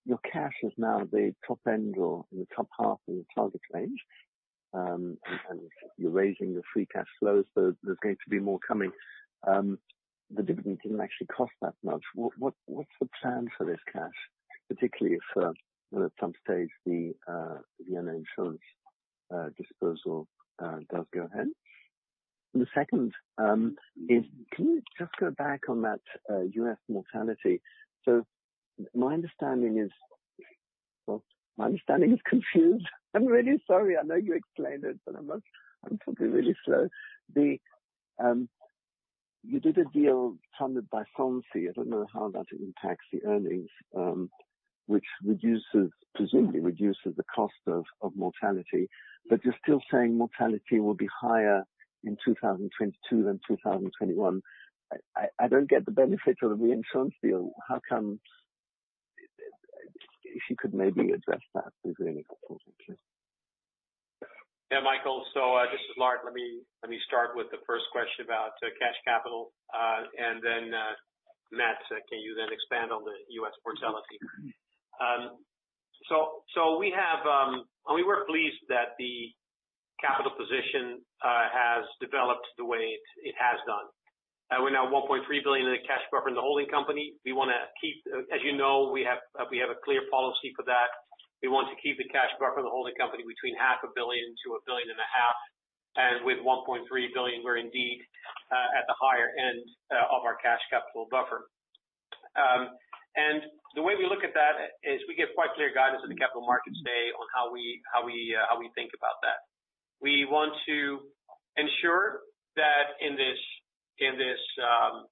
S7: your cash is now the top end or in the top half of your target range. You're raising your free cash flows, so there's going to be more coming. The dividend didn't actually cost that much. What's the plan for this cash, particularly if at some stage the reinsurance disposal does go ahead? The second is, can you just go back on that U.S. mortality? Well, my understanding is confused. I'm really sorry. I know you explained it, but I'm talking really slow. You did a deal funded by Sompo. I don't know how that impacts the earnings, which reduces, presumably, the cost of mortality. You're still saying mortality will be higher in 2022 than 2021. I don't get the benefit of the reinsurance deal. How come? If you could maybe address that with me, that would be helpful. Thank you.
S3: Yeah, Michael, this is Lard. Let me start with the first question about cash capital. Then, Matt, can you expand on the U.S. mortality?
S7: Mm-hmm.
S3: We were pleased that the capital position has developed the way it has done. We're now 1.3 billion in the cash buffer in the holding company. As you know, we have a clear policy for that. We want to keep the cash buffer in the holding company between EUR half a billion to 1.5 billion. With 1.3 billion, we're indeed at the higher end of our cash capital buffer. The way we look at that is we give quite clear guidance at the Capital Markets Day on how we think about that. We want to ensure that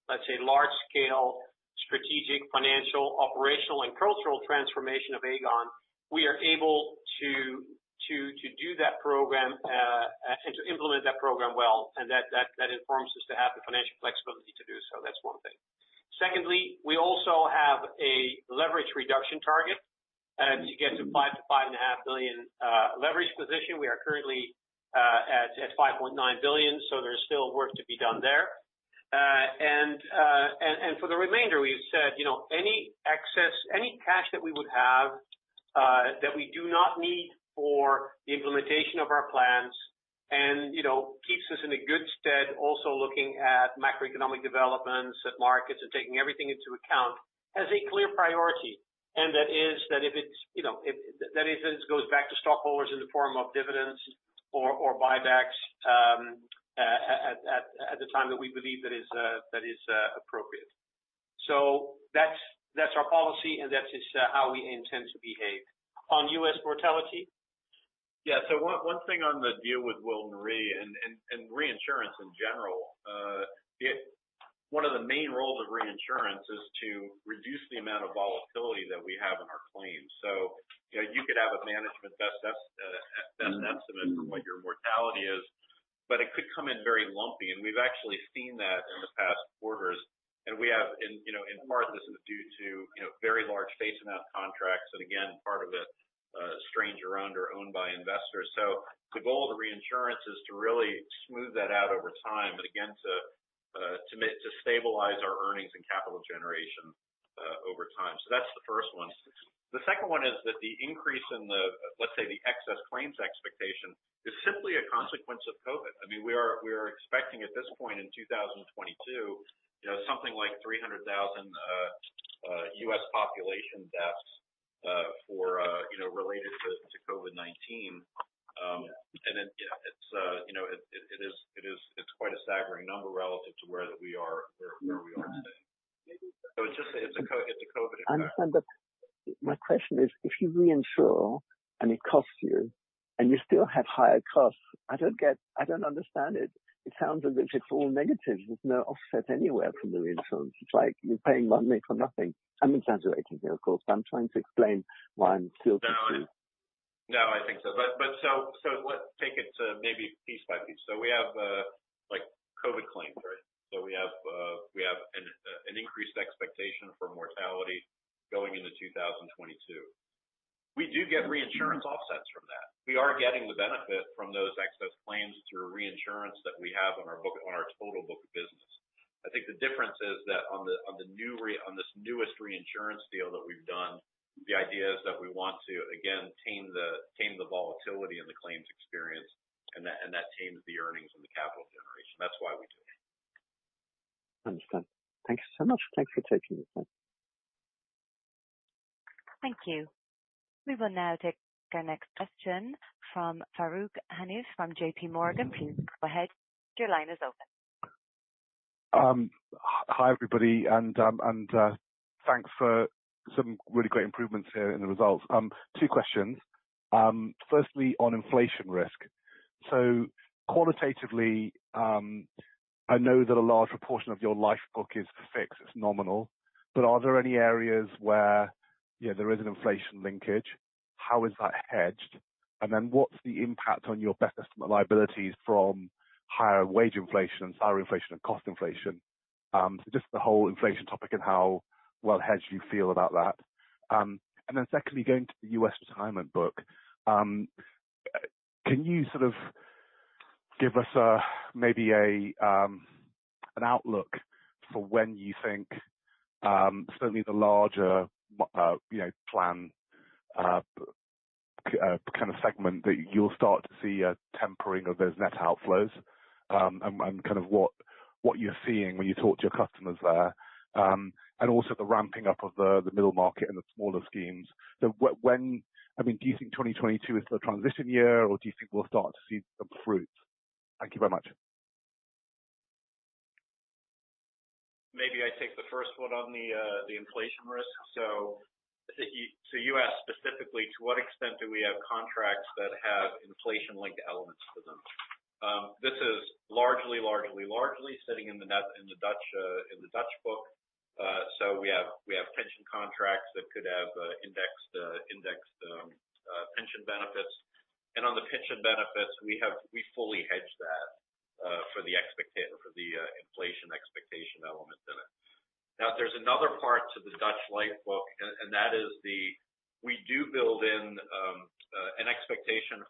S3: let's say large scale, strategic, financial, operational, and cultural transformation of Aegon, we are able to do that program and to implement that program well, and that informs us to have the financial flexibility to do so. That's one thing. Secondly, we also have a leverage reduction target to get to 5 billion-5.5 billion leverage position. We are currently at 5.9 billion, so there's still work to be done there. for the remainder, we've said, you know, any excess, any cash that we would have that we do not need for the implementation of our plans and, you know, keeps us in a good stead also looking at macroeconomic developments at markets and taking everything into account, has a clear priority. That is that if it's, you know, that if it goes back to stockholders in the form of dividends or buybacks at the time that we believe that is appropriate. That's our policy, and that is how we intend to behave. On U.S. mortality?
S4: Yeah. One thing on the deal with Wilton Re and reinsurance in general. One of the main roles of reinsurance is to reduce the amount of volatility that we have in our claims. You know, you could have a management best estimate for what your mortality is, but it could come in very lumpy. We've actually seen that in the past quarters. In part, this is due to very large face amount contracts and again, part of it, stranger-owned or owned by investors. The goal of the reinsurance is to really smooth that out over time and again to stabilize our earnings and capital generation over time. That's the first one. The second one is that the increase in the, let's say, the excess claims expectation is simply a consequence of COVID. I mean, we are expecting at this point in 2022, you know, something like 300,000 U.S. population deaths, you know, related to COVID-19. And then, it's you know it is. It's quite a staggering number relative to where we are today. It's a COVID impact.
S7: I understand, but my question is, if you reinsure and it costs you and you still have higher costs, I don't understand it. It sounds as if it's all negative with no offset anywhere from the reinsurance. It's like you're paying money for nothing. I'm exaggerating here, of course, but I'm trying to explain why I'm still confused.
S4: No, I think so. Let's take it maybe piece by piece. We have like COVID claims, right? We have an increased expectation for mortality going into 2022. We do get reinsurance offsets from that. We are getting the benefit from those excess claims through reinsurance that we have on our book, on our total book of business. I think the difference is that on this newest reinsurance deal that we've done, the idea is that we want to again tame the volatility and the claims experience, and that tames the earnings and the capital generation. That's why we do it.
S7: Understood. Thank you so much. Thanks for taking the time.
S1: Thank you. We will now take our next question from Farooq Hanif from JP Morgan. Please go ahead. Your line is open.
S8: Hi, everybody, thanks for some really great improvements here in the results. Two questions. Firstly, on inflation risk. Qualitatively, I know that a large proportion of your life book is fixed, it's nominal, but are there any areas where, you know, there is an inflation linkage? How is that hedged? Then what's the impact on your best estimate liabilities from higher wage inflation, salary inflation, and cost inflation? Just the whole inflation topic and how well hedged you feel about that. Secondly, going to the U.S. retirement book, can you sort of give us a, maybe a, an outlook for when you think, certainly the larger, you know, plan, kind of segment that you'll start to see a tempering of those net outflows, and kind of what you're seeing when you talk to your customers there, and also the ramping up of the middle market and the smaller schemes. I mean, do you think 2022 is the transition year, or do you think we'll start to see some fruit? Thank you very much.
S4: Maybe I take the first one on the inflation risk. You asked specifically to what extent do we have contracts that have inflation-linked elements to them. This is largely sitting in the Netherlands in the Dutch book. We have pension contracts that could have indexed pension benefits. On the pension benefits, we fully hedge that for the inflation expectation element in it. Now, there's another part to the Dutch Life book, and that is we do build in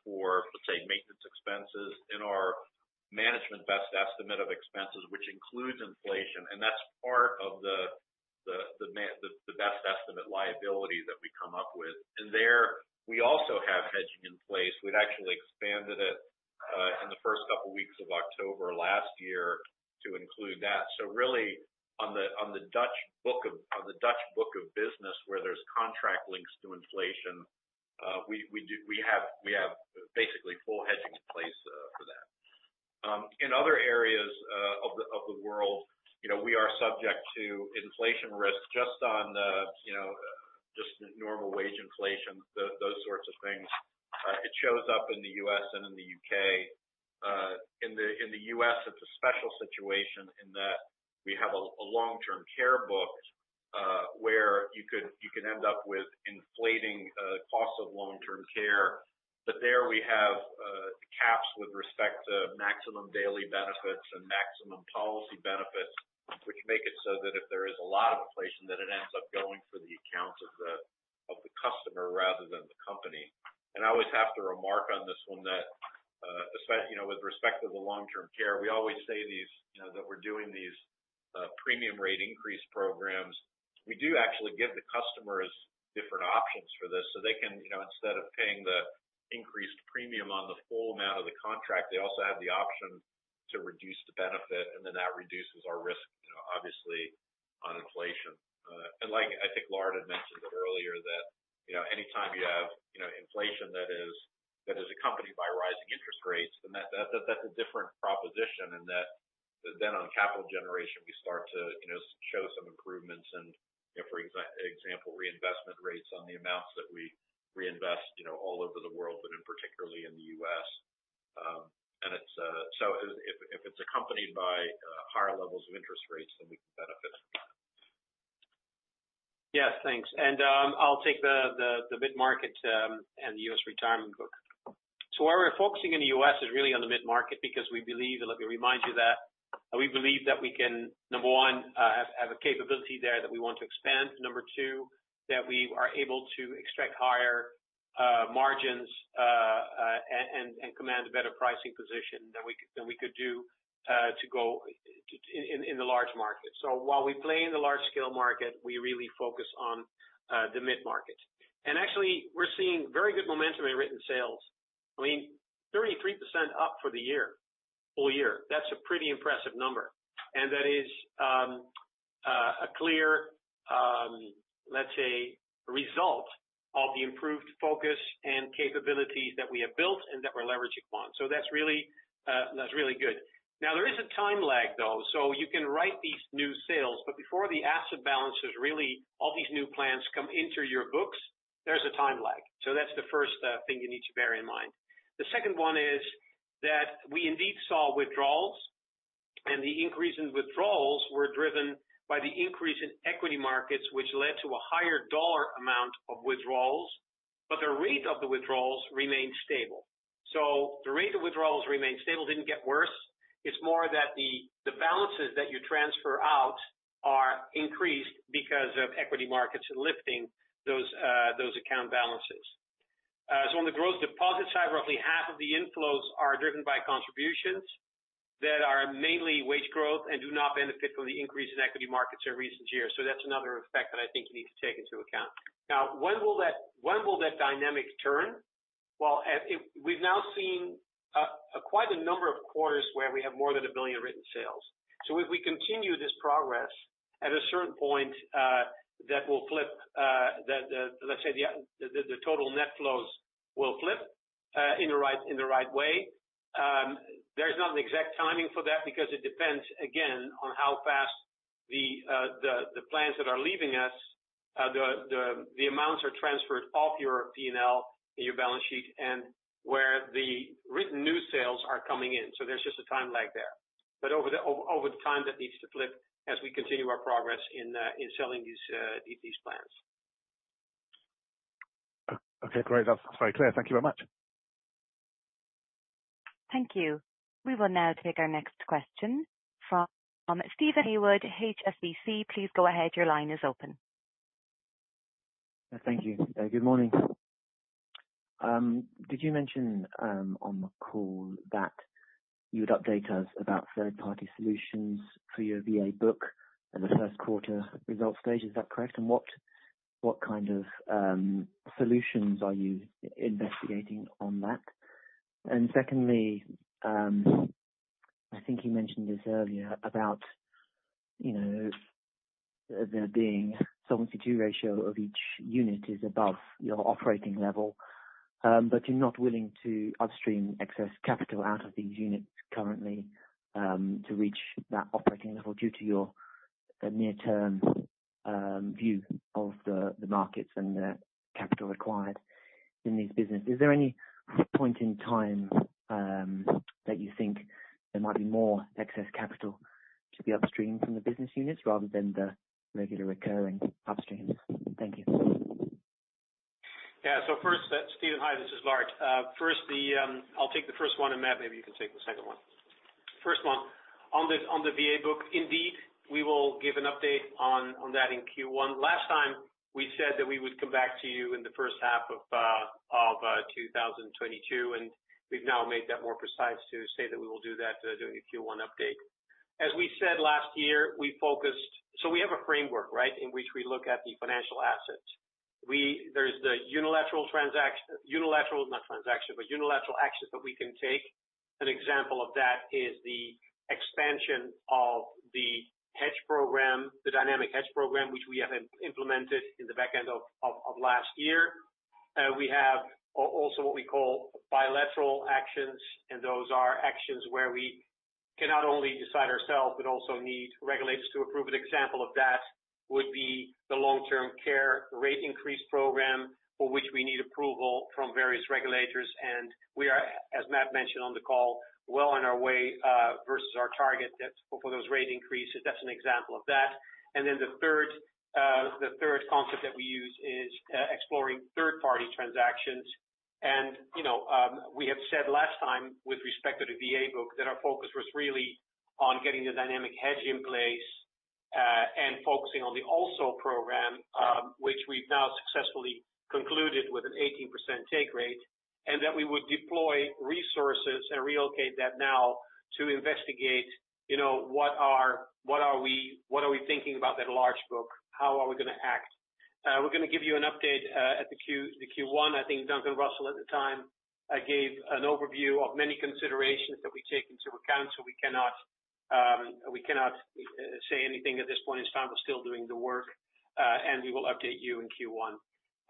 S4: for, let's say, maintenance expenses in our management best estimate of expenses, which includes inflation. That's part of the management best estimate liability that we come up with. There we also have hedging in place. We've actually expanded it in the first couple weeks of October last year to include that. Really, on the Dutch book of business where there's contract links to inflation, we have basically full hedging in place for that. In other areas of the world, you know, we are subject to inflation risk just on the you know just normal wage inflation, those sorts of things. It shows up in the U.S. and in the U.K. In the U.S., it's a special situation in that we have a Long-Term Care book, where you could end up with inflating costs of Long-Term Care. There we have caps with respect to maximum daily benefits and maximum policy benefits, which make it so that if there is a lot of inflation, then it ends up going for the accounts of the customer rather than the company. I always have to remark on this one that, you know, with respect to the Long-Term Care, we always say these, you know, that we're doing these premium rate increase programs. We do actually give the customers different options for this so they can, you know, instead of paying the increased premium on the full amount of the contract, they also have the option to reduce the benefit, and then that reduces our risk, you know, obviously on inflation. like, I think Lard had mentioned earlier that, you know, anytime you have, you know, inflation that is accompanied by rising interest rates, then that's a different proposition and that then on capital generation, we start to, you know, show some improvements and, you know, for example, reinvestment rates on the amounts that we reinvest, you know, all over the world, but particularly in the U.S. If it's accompanied by higher levels of interest rates, then we can benefit.
S3: Yes, thanks. I'll take the mid-market and the U.S. retirement book. Where we're focusing in the U.S. is really on the mid-market because we believe, and let me remind you that, we believe that we can, number one, have a capability there that we want to expand. Number two, that we are able to extract higher margins and command a better pricing position than we could do to go in the large market. While we play in the large-scale market, we really focus on the mid-market. Actually, we're seeing very good momentum in written sales. I mean, 33% up for the year, full year. That's a pretty impressive number. That is a clear, let's say, result of the improved focus and capabilities that we have built and that we're leveraging on. That's really good. Now, there is a time lag, though. You can write these new sales, but before the asset balances, really all these new plans come into your books, there's a time lag. That's the first thing you need to bear in mind. The second one is that we indeed saw withdrawals, and the increase in withdrawals were driven by the increase in equity markets, which led to a higher dollar amount of withdrawals, but the rate of the withdrawals remained stable. The rate of withdrawals remained stable, didn't get worse. It's more that the balances that you transfer out are increased because of equity markets lifting those account balances. On the gross deposit side, roughly half of the inflows are driven by contributions that are mainly wage growth and do not benefit from the increase in equity markets in recent years. That's another effect that I think you need to take into account. Now, when will that dynamic turn? We've now seen quite a number of quarters where we have more than 1 billion in written sales. If we continue this progress, at a certain point, that will flip the total net flows in the right way. There's not an exact timing for that because it depends, again, on how fast the plans that are leaving us, the amounts are transferred off your P&L and your balance sheet and where the written new sales are coming in. There's just a time lag there. Over the time that needs to flip as we continue our progress in selling these plans.
S8: Okay, great. That's very clear. Thank you very much.
S1: Thank you. We will now take our next question from Steven Haywood, HSBC. Please go ahead. Your line is open.
S9: Thank you. Good morning. Did you mention on the call that you would update us about third-party solutions for your VA book in the first quarter results stage? Is that correct? What kind of solutions are you investigating on that? Secondly, I think you mentioned this earlier about, you know, there being Solvency II ratio of each unit is above your operating level, but you're not willing to upstream excess capital out of these units currently to reach that operating level due to your near-term view of the markets and the capital required in these business. Is there any point in time that you think there might be more excess capital to be upstreamed from the business units rather than the regular recurring upstream? Thank you.
S3: First, Stephen Haywood, hi, this is Lard Friese. I'll take the first one, and Matt Rider, maybe you can take the second one. First one, on the VA book, we will give an update on that in Q1. Last time we said that we would come back to you in the first half of 2022, and we've now made that more precise to say that we will do that during the Q1 update. As we said last year, we focused. We have a framework, right, in which we look at the financial assets. There is the unilateral actions that we can take. An example of that is the expansion of the hedge program, the dynamic hedging program, which we have implemented in the back end of last year. We have also what we call bilateral actions, and those are actions where we cannot only decide ourselves, but also need regulators to approve. An example of that would be the Long-Term Care rate increase program for which we need approval from various regulators. We are, as Matt mentioned on the call, well on our way towards our target for those rate increases. That's an example of that. The third concept that we use is exploring third-party transactions. You know, we have said last time with respect to the VA book that our focus was really on getting the dynamic hedge in place, and focusing on the lump-sum buyout program, which we've now successfully concluded with an 18% take rate, and that we would deploy resources and reallocate that now to investigate, you know, what are we thinking about that large book? How are we gonna act? We're gonna give you an update at the Q1. I think Duncan Russell at the time gave an overview of many considerations that we take into account, so we cannot say anything at this point in time. We're still doing the work, and we will update you in Q1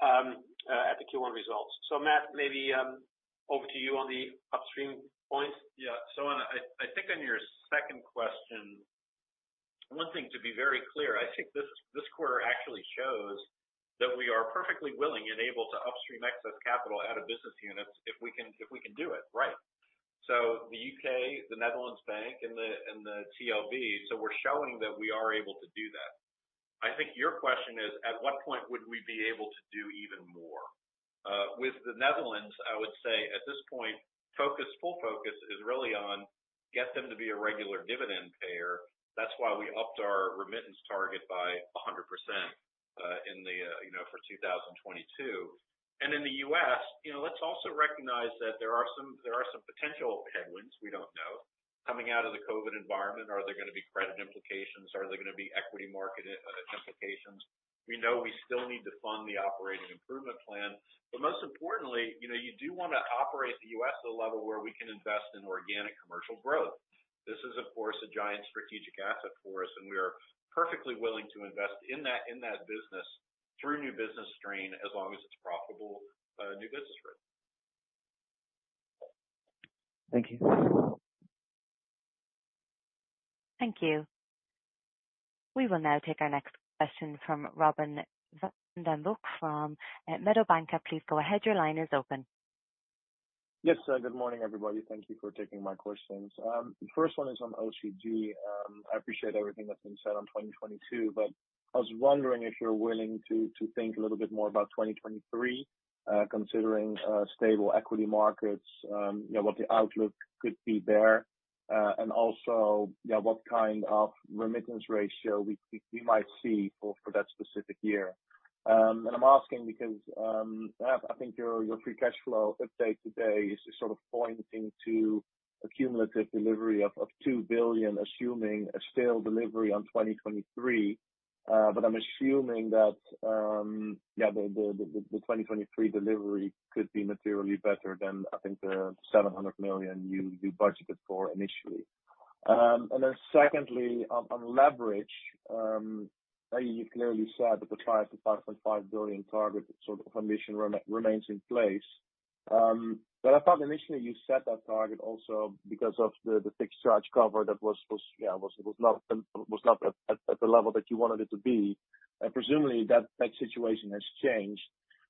S3: at the Q1 results. Matt, maybe over to you on the upstream points.
S4: I think on your second question, one thing to be very clear, I think this quarter actually shows that we are perfectly willing and able to upstream excess capital out of business units if we can do it, right. The U.K., the Netherlands Bank, and the TLB, we're showing that we are able to do that. I think your question is, at what point would we be able to do even more? With the Netherlands, I would say at this point, full focus is really on getting them to be a regular dividend payer. That's why we upped our remittance target by 100%, you know, for 2022. In the U.S., you know, let's also recognize that there are some potential headwinds, we don't know, coming out of the COVID environment. Are there gonna be credit implications? Are there gonna be equity market implications? We know we still need to fund the operating improvement plan. Most importantly, you know, you do wanna operate the U.S. to a level where we can invest in organic commercial growth. This is, of course, a giant strategic asset for us, and we are perfectly willing to invest in that business through new business strain as long as it's profitable new business for us.
S9: Thank you.
S1: Thank you. We will now take our next question from Robin van den Broek from Mediobanca. Please go ahead. Your line is open.
S10: Yes. Good morning, everybody. Thank you for taking my questions. The first one is on OCG. I appreciate everything that's been said on 2022, but I was wondering if you're willing to think a little bit more about 2023, considering stable equity markets, you know, what the outlook could be there, and also, you know, what kind of remittance ratio we might see for that specific year. I'm asking because I think your free cash flow update today is sort of pointing to a cumulative delivery of 2 billion, assuming a stale delivery on 2023. I'm assuming that yeah, the 2023 delivery could be materially better than I think the 700 million you budgeted for initially. Then secondly, on leverage, you clearly said that the 5 billion-5.5 billion target sort of ambition remains in place. I thought initially you set that target also because of the fixed charge cover that was not at the level that you wanted it to be. Presumably that situation has changed.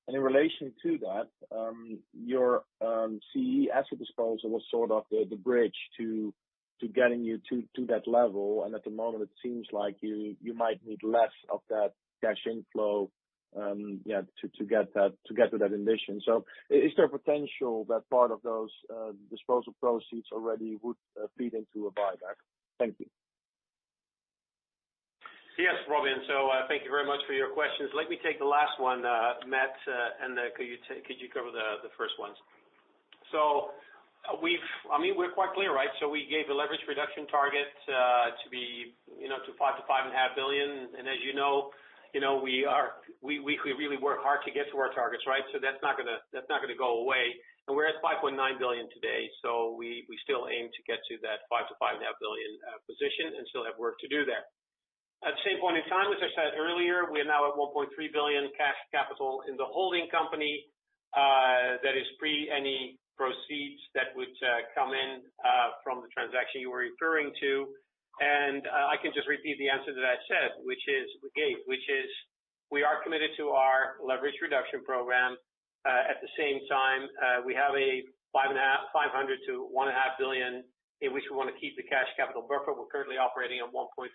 S10: In relation to that, your CEE asset disposal was sort of the bridge to getting you to that level. At the moment it seems like you might need less of that cash inflow to get to that ambition. Is there a potential that part of those disposal proceeds already would feed into a buyback? Thank you.
S3: Yes, Robin. Thank you very much for your questions. Let me take the last one, Matt, and then could you cover the first ones? I mean, we're quite clear, right? We gave a leverage reduction target, you know, to 5 billion-5.5 billion. As you know, you know, we really work hard to get to our targets, right? That's not gonna go away. We're at 5.9 billion today, so we still aim to get to that 5 billion-5.5 billion position and still have work to do there. At the same point in time, as I said earlier, we're now at 1.3 billion cash capital in the holding company, that is pre any proceeds that would come in from the transaction you were referring to. I can just repeat the answer that I said, which is we are committed to our leverage reduction program. At the same time, we have 500 million-1.5 billion in which we wanna keep the cash capital buffer. We're currently operating at 1.3.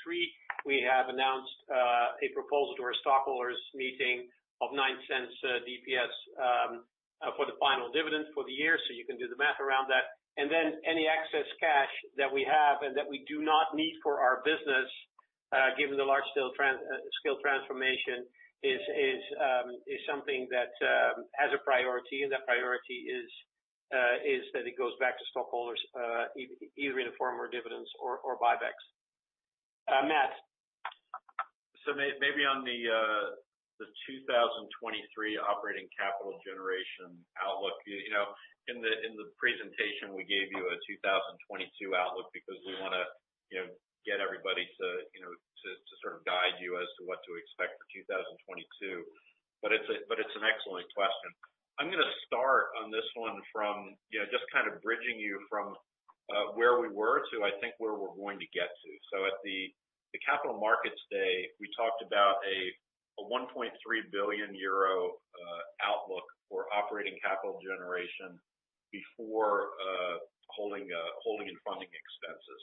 S3: We have announced a proposal to our stockholders meeting of 0.09 DPS for the final dividend for the year, so you can do the math around that. any excess cash that we have and that we do not need for our business. Given the large scale transformation is something that as a priority, and that priority is that it goes back to stockholders, either in the form of dividends or buybacks. Matt.
S4: Maybe on the 2023 operating capital generation outlook, in the presentation we gave you a 2022 outlook because we wanna get everybody to sort of guide you as to what to expect for 2022. It's an excellent question. I'm gonna start on this one from just kind of bridging you from where we were to I think where we're going to get to. At the Capital Markets Day, we talked about a 1.3 billion euro outlook for operating capital generation before holding and funding expenses.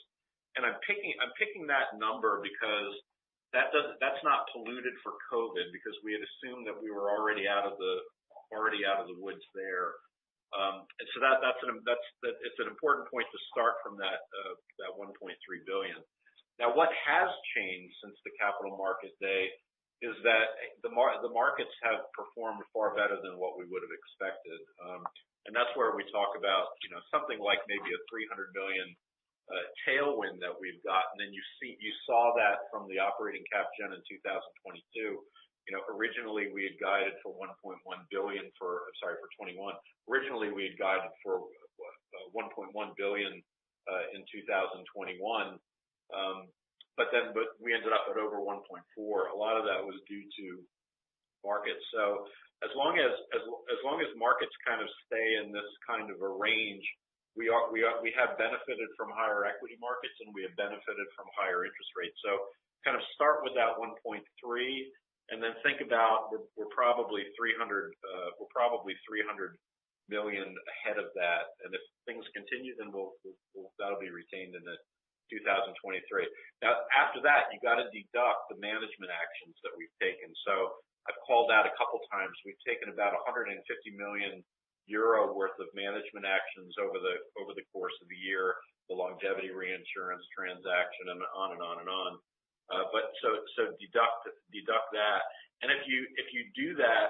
S4: I'm picking that number because that doesn't. That's not polluted for COVID because we had assumed that we were already out of the woods there. It's an important point to start from that 1.3 billion. Now, what has changed since the Capital Markets Day is that the markets have performed far better than what we would have expected. That's where we talk about, you know, something like maybe a 300 million tailwind that we've got. You saw that from the operating capital generation in 2022. Originally we had guided for 1.1 billion for 2021. Originally, we had guided for 1.1 billion in 2021. We ended up at over 1.4 billion. A lot of that was due to markets. As long as markets kind of stay in this kind of a range, we have benefited from higher equity markets, and we have benefited from higher interest rates. Kind of start with that 1.3 billion and then think about we're probably 300 million ahead of that. If things continue, then that'll be retained in 2023. Now, after that, you got to deduct the management actions that we've taken. I've called out a couple times. We've taken about 150 million euro worth of management actions over the course of the year, the longevity reinsurance transaction and so on. But deduct that. If you do that,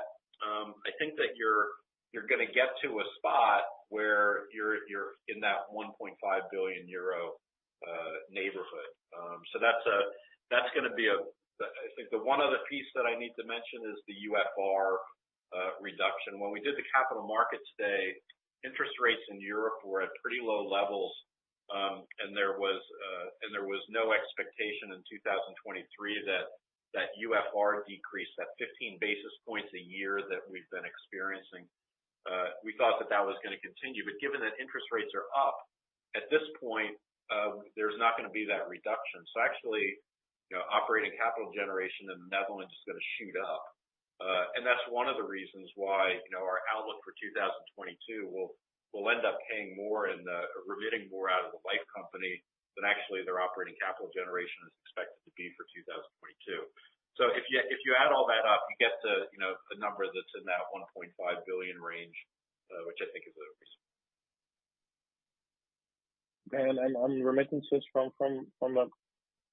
S4: I think that you're gonna get to a spot where you're in that 1.5 billion euro neighborhood. So I think the one other piece that I need to mention is the UFR reduction. When we did the Capital Markets Day, interest rates in Europe were at pretty low levels, and there was no expectation in 2023 that UFR decrease, that 15 basis points a year that we've been experiencing, we thought that that was gonna continue. But given that interest rates are up, at this point, there's not gonna be that reduction. So actually, you know, operating capital generation in the Netherlands is gonna shoot up. That's one of the reasons why, you know, our outlook for 2022 will end up remitting more out of the life company than actually their operating capital generation is expected to be for 2022. If you add all that up, you get, you know, the number that's in that 1.5 billion range, which I think is reasonable.
S10: on remittances from that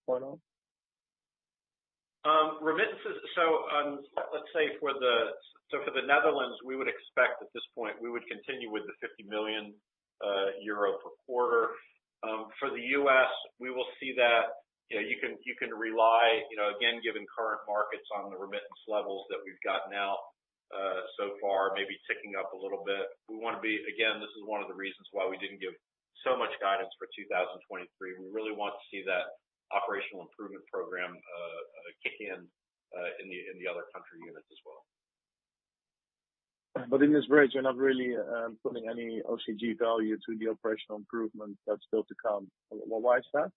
S10: point on?
S4: Remittances. Let's say for the Netherlands, we would expect at this point we would continue with the 50 million euro per quarter. For the US, we will see that. You know, you can rely, you know, again, given current markets on the remittance levels that we've gotten out so far, maybe ticking up a little bit. We want to be. Again, this is one of the reasons why we didn't give so much guidance for 2023. We really want to see that operational improvement program kick in in the other country units as well.
S10: In this bridge, you're not really putting any OCG value to the operational improvement that's still to come. Why is that?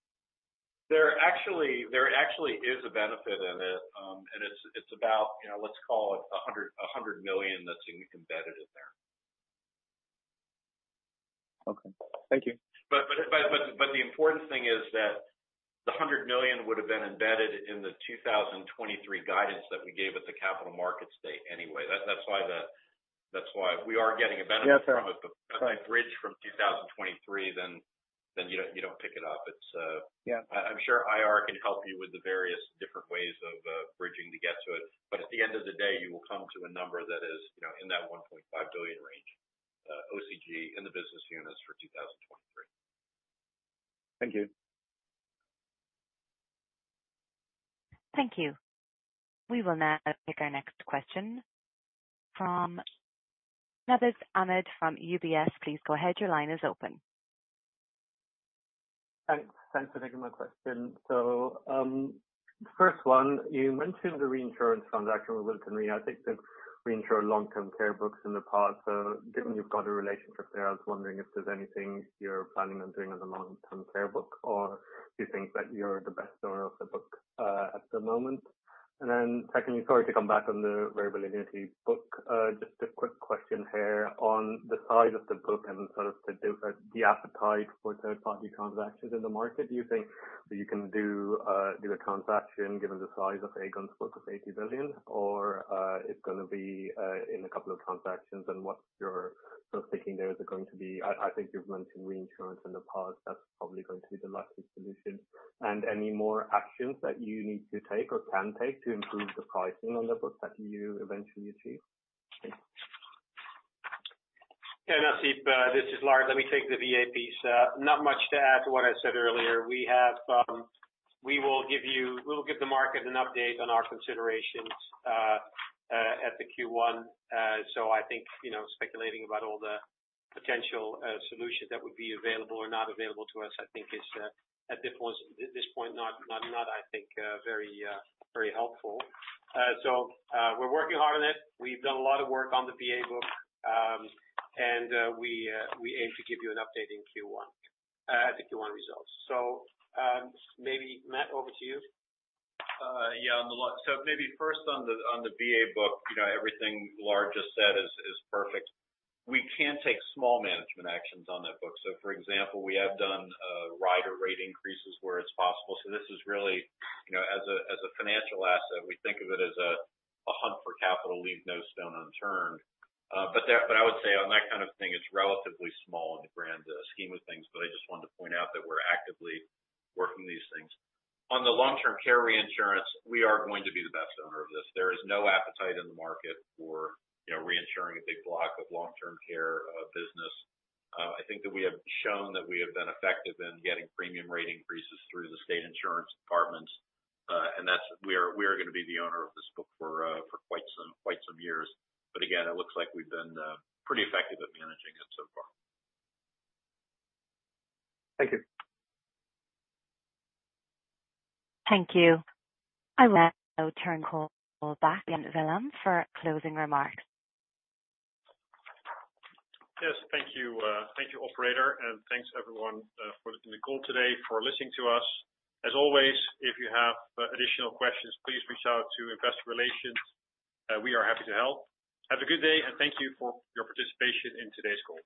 S4: There actually is a benefit in it. It's about, you know, let's call it 100 million that's embedded in there.
S10: Okay. Thank you.
S4: The important thing is that the 100 million would have been embedded in the 2023 guidance that we gave at the Capital Markets Day anyway. That's why we are getting a benefit from it.
S10: Yes, sir. Right.
S4: If you bridge from 2023, then you don't pick it up. It's
S10: Yeah.
S4: I'm sure IR can help you with the various different ways of bridging to get to it. At the end of the day, you will come to a number that is, you know, in that 1.5 billion range, OCG in the business units for 2023.
S10: Thank you.
S1: Thank you. We will now take our next question from Nasib Ahmed from UBS. Please go ahead. Your line is open.
S11: Thanks. Thanks for taking my question. First one, you mentioned the reinsurance transaction with Wilton Re. I think you reinsured the long-term care books in the past. Given you've got a relationship there, I was wondering if there's anything you're planning on doing on the long-term care book, or do you think that you're the best owner of the book at the moment? Then secondly, sorry to come back on the variable annuity book. Just a quick question here on the size of the book and sort of the appetite for third-party transactions in the market. Do you think that you can do a transaction given the size of Aegon's book of $80 billion or it's gonna be in a couple of transactions? What you're sort of thinking there is it going to be... I think you've mentioned reinsurance in the past. That's probably going to be the likely solution. Any more actions that you need to take or can take to improve the pricing on the book that you eventually achieve?
S3: Yeah, Nasib, this is Lard Friese. Let me take the VA piece. Not much to add to what I said earlier. We will give the market an update on our considerations at the Q1. I think, you know, speculating about all the potential solutions that would be available or not available to us, I think is at this point not, I think, very helpful. We're working hard on it. We've done a lot of work on the VA book. We aim to give you an update in Q1 at the Q1 results. Maybe Matt Rider, over to you.
S4: Yeah, on the VA book, you know, everything Lard Friese just said is perfect. We can take small management actions on that book. For example, we have done rider rate increases where it's possible. This is really, you know, as a financial asset, we think of it as a hunt for capital, leave no stone unturned. I would say on that kind of thing, it's relatively small in the grand scheme of things. I just wanted to point out that we're actively working these things. On the Long-Term Care reinsurance, we are going to be the best owner of this. There is no appetite in the market for, you know, reinsuring a big block of Long-Term Care business. I think that we have shown that we have been effective in getting premium rate increases through the state insurance departments. We are gonna be the owner of this book for quite some years. Again, it looks like we've been pretty effective at managing it so far.
S11: Thank you.
S1: Thank you. I will now turn the call back to Jan Willem for closing remarks.
S2: Yes, thank you. Thank you, operator, and thanks everyone for taking the call today, for listening to us. As always, if you have additional questions, please reach out to investor relations. We are happy to help. Have a good day, and thank you for your participation in today's call.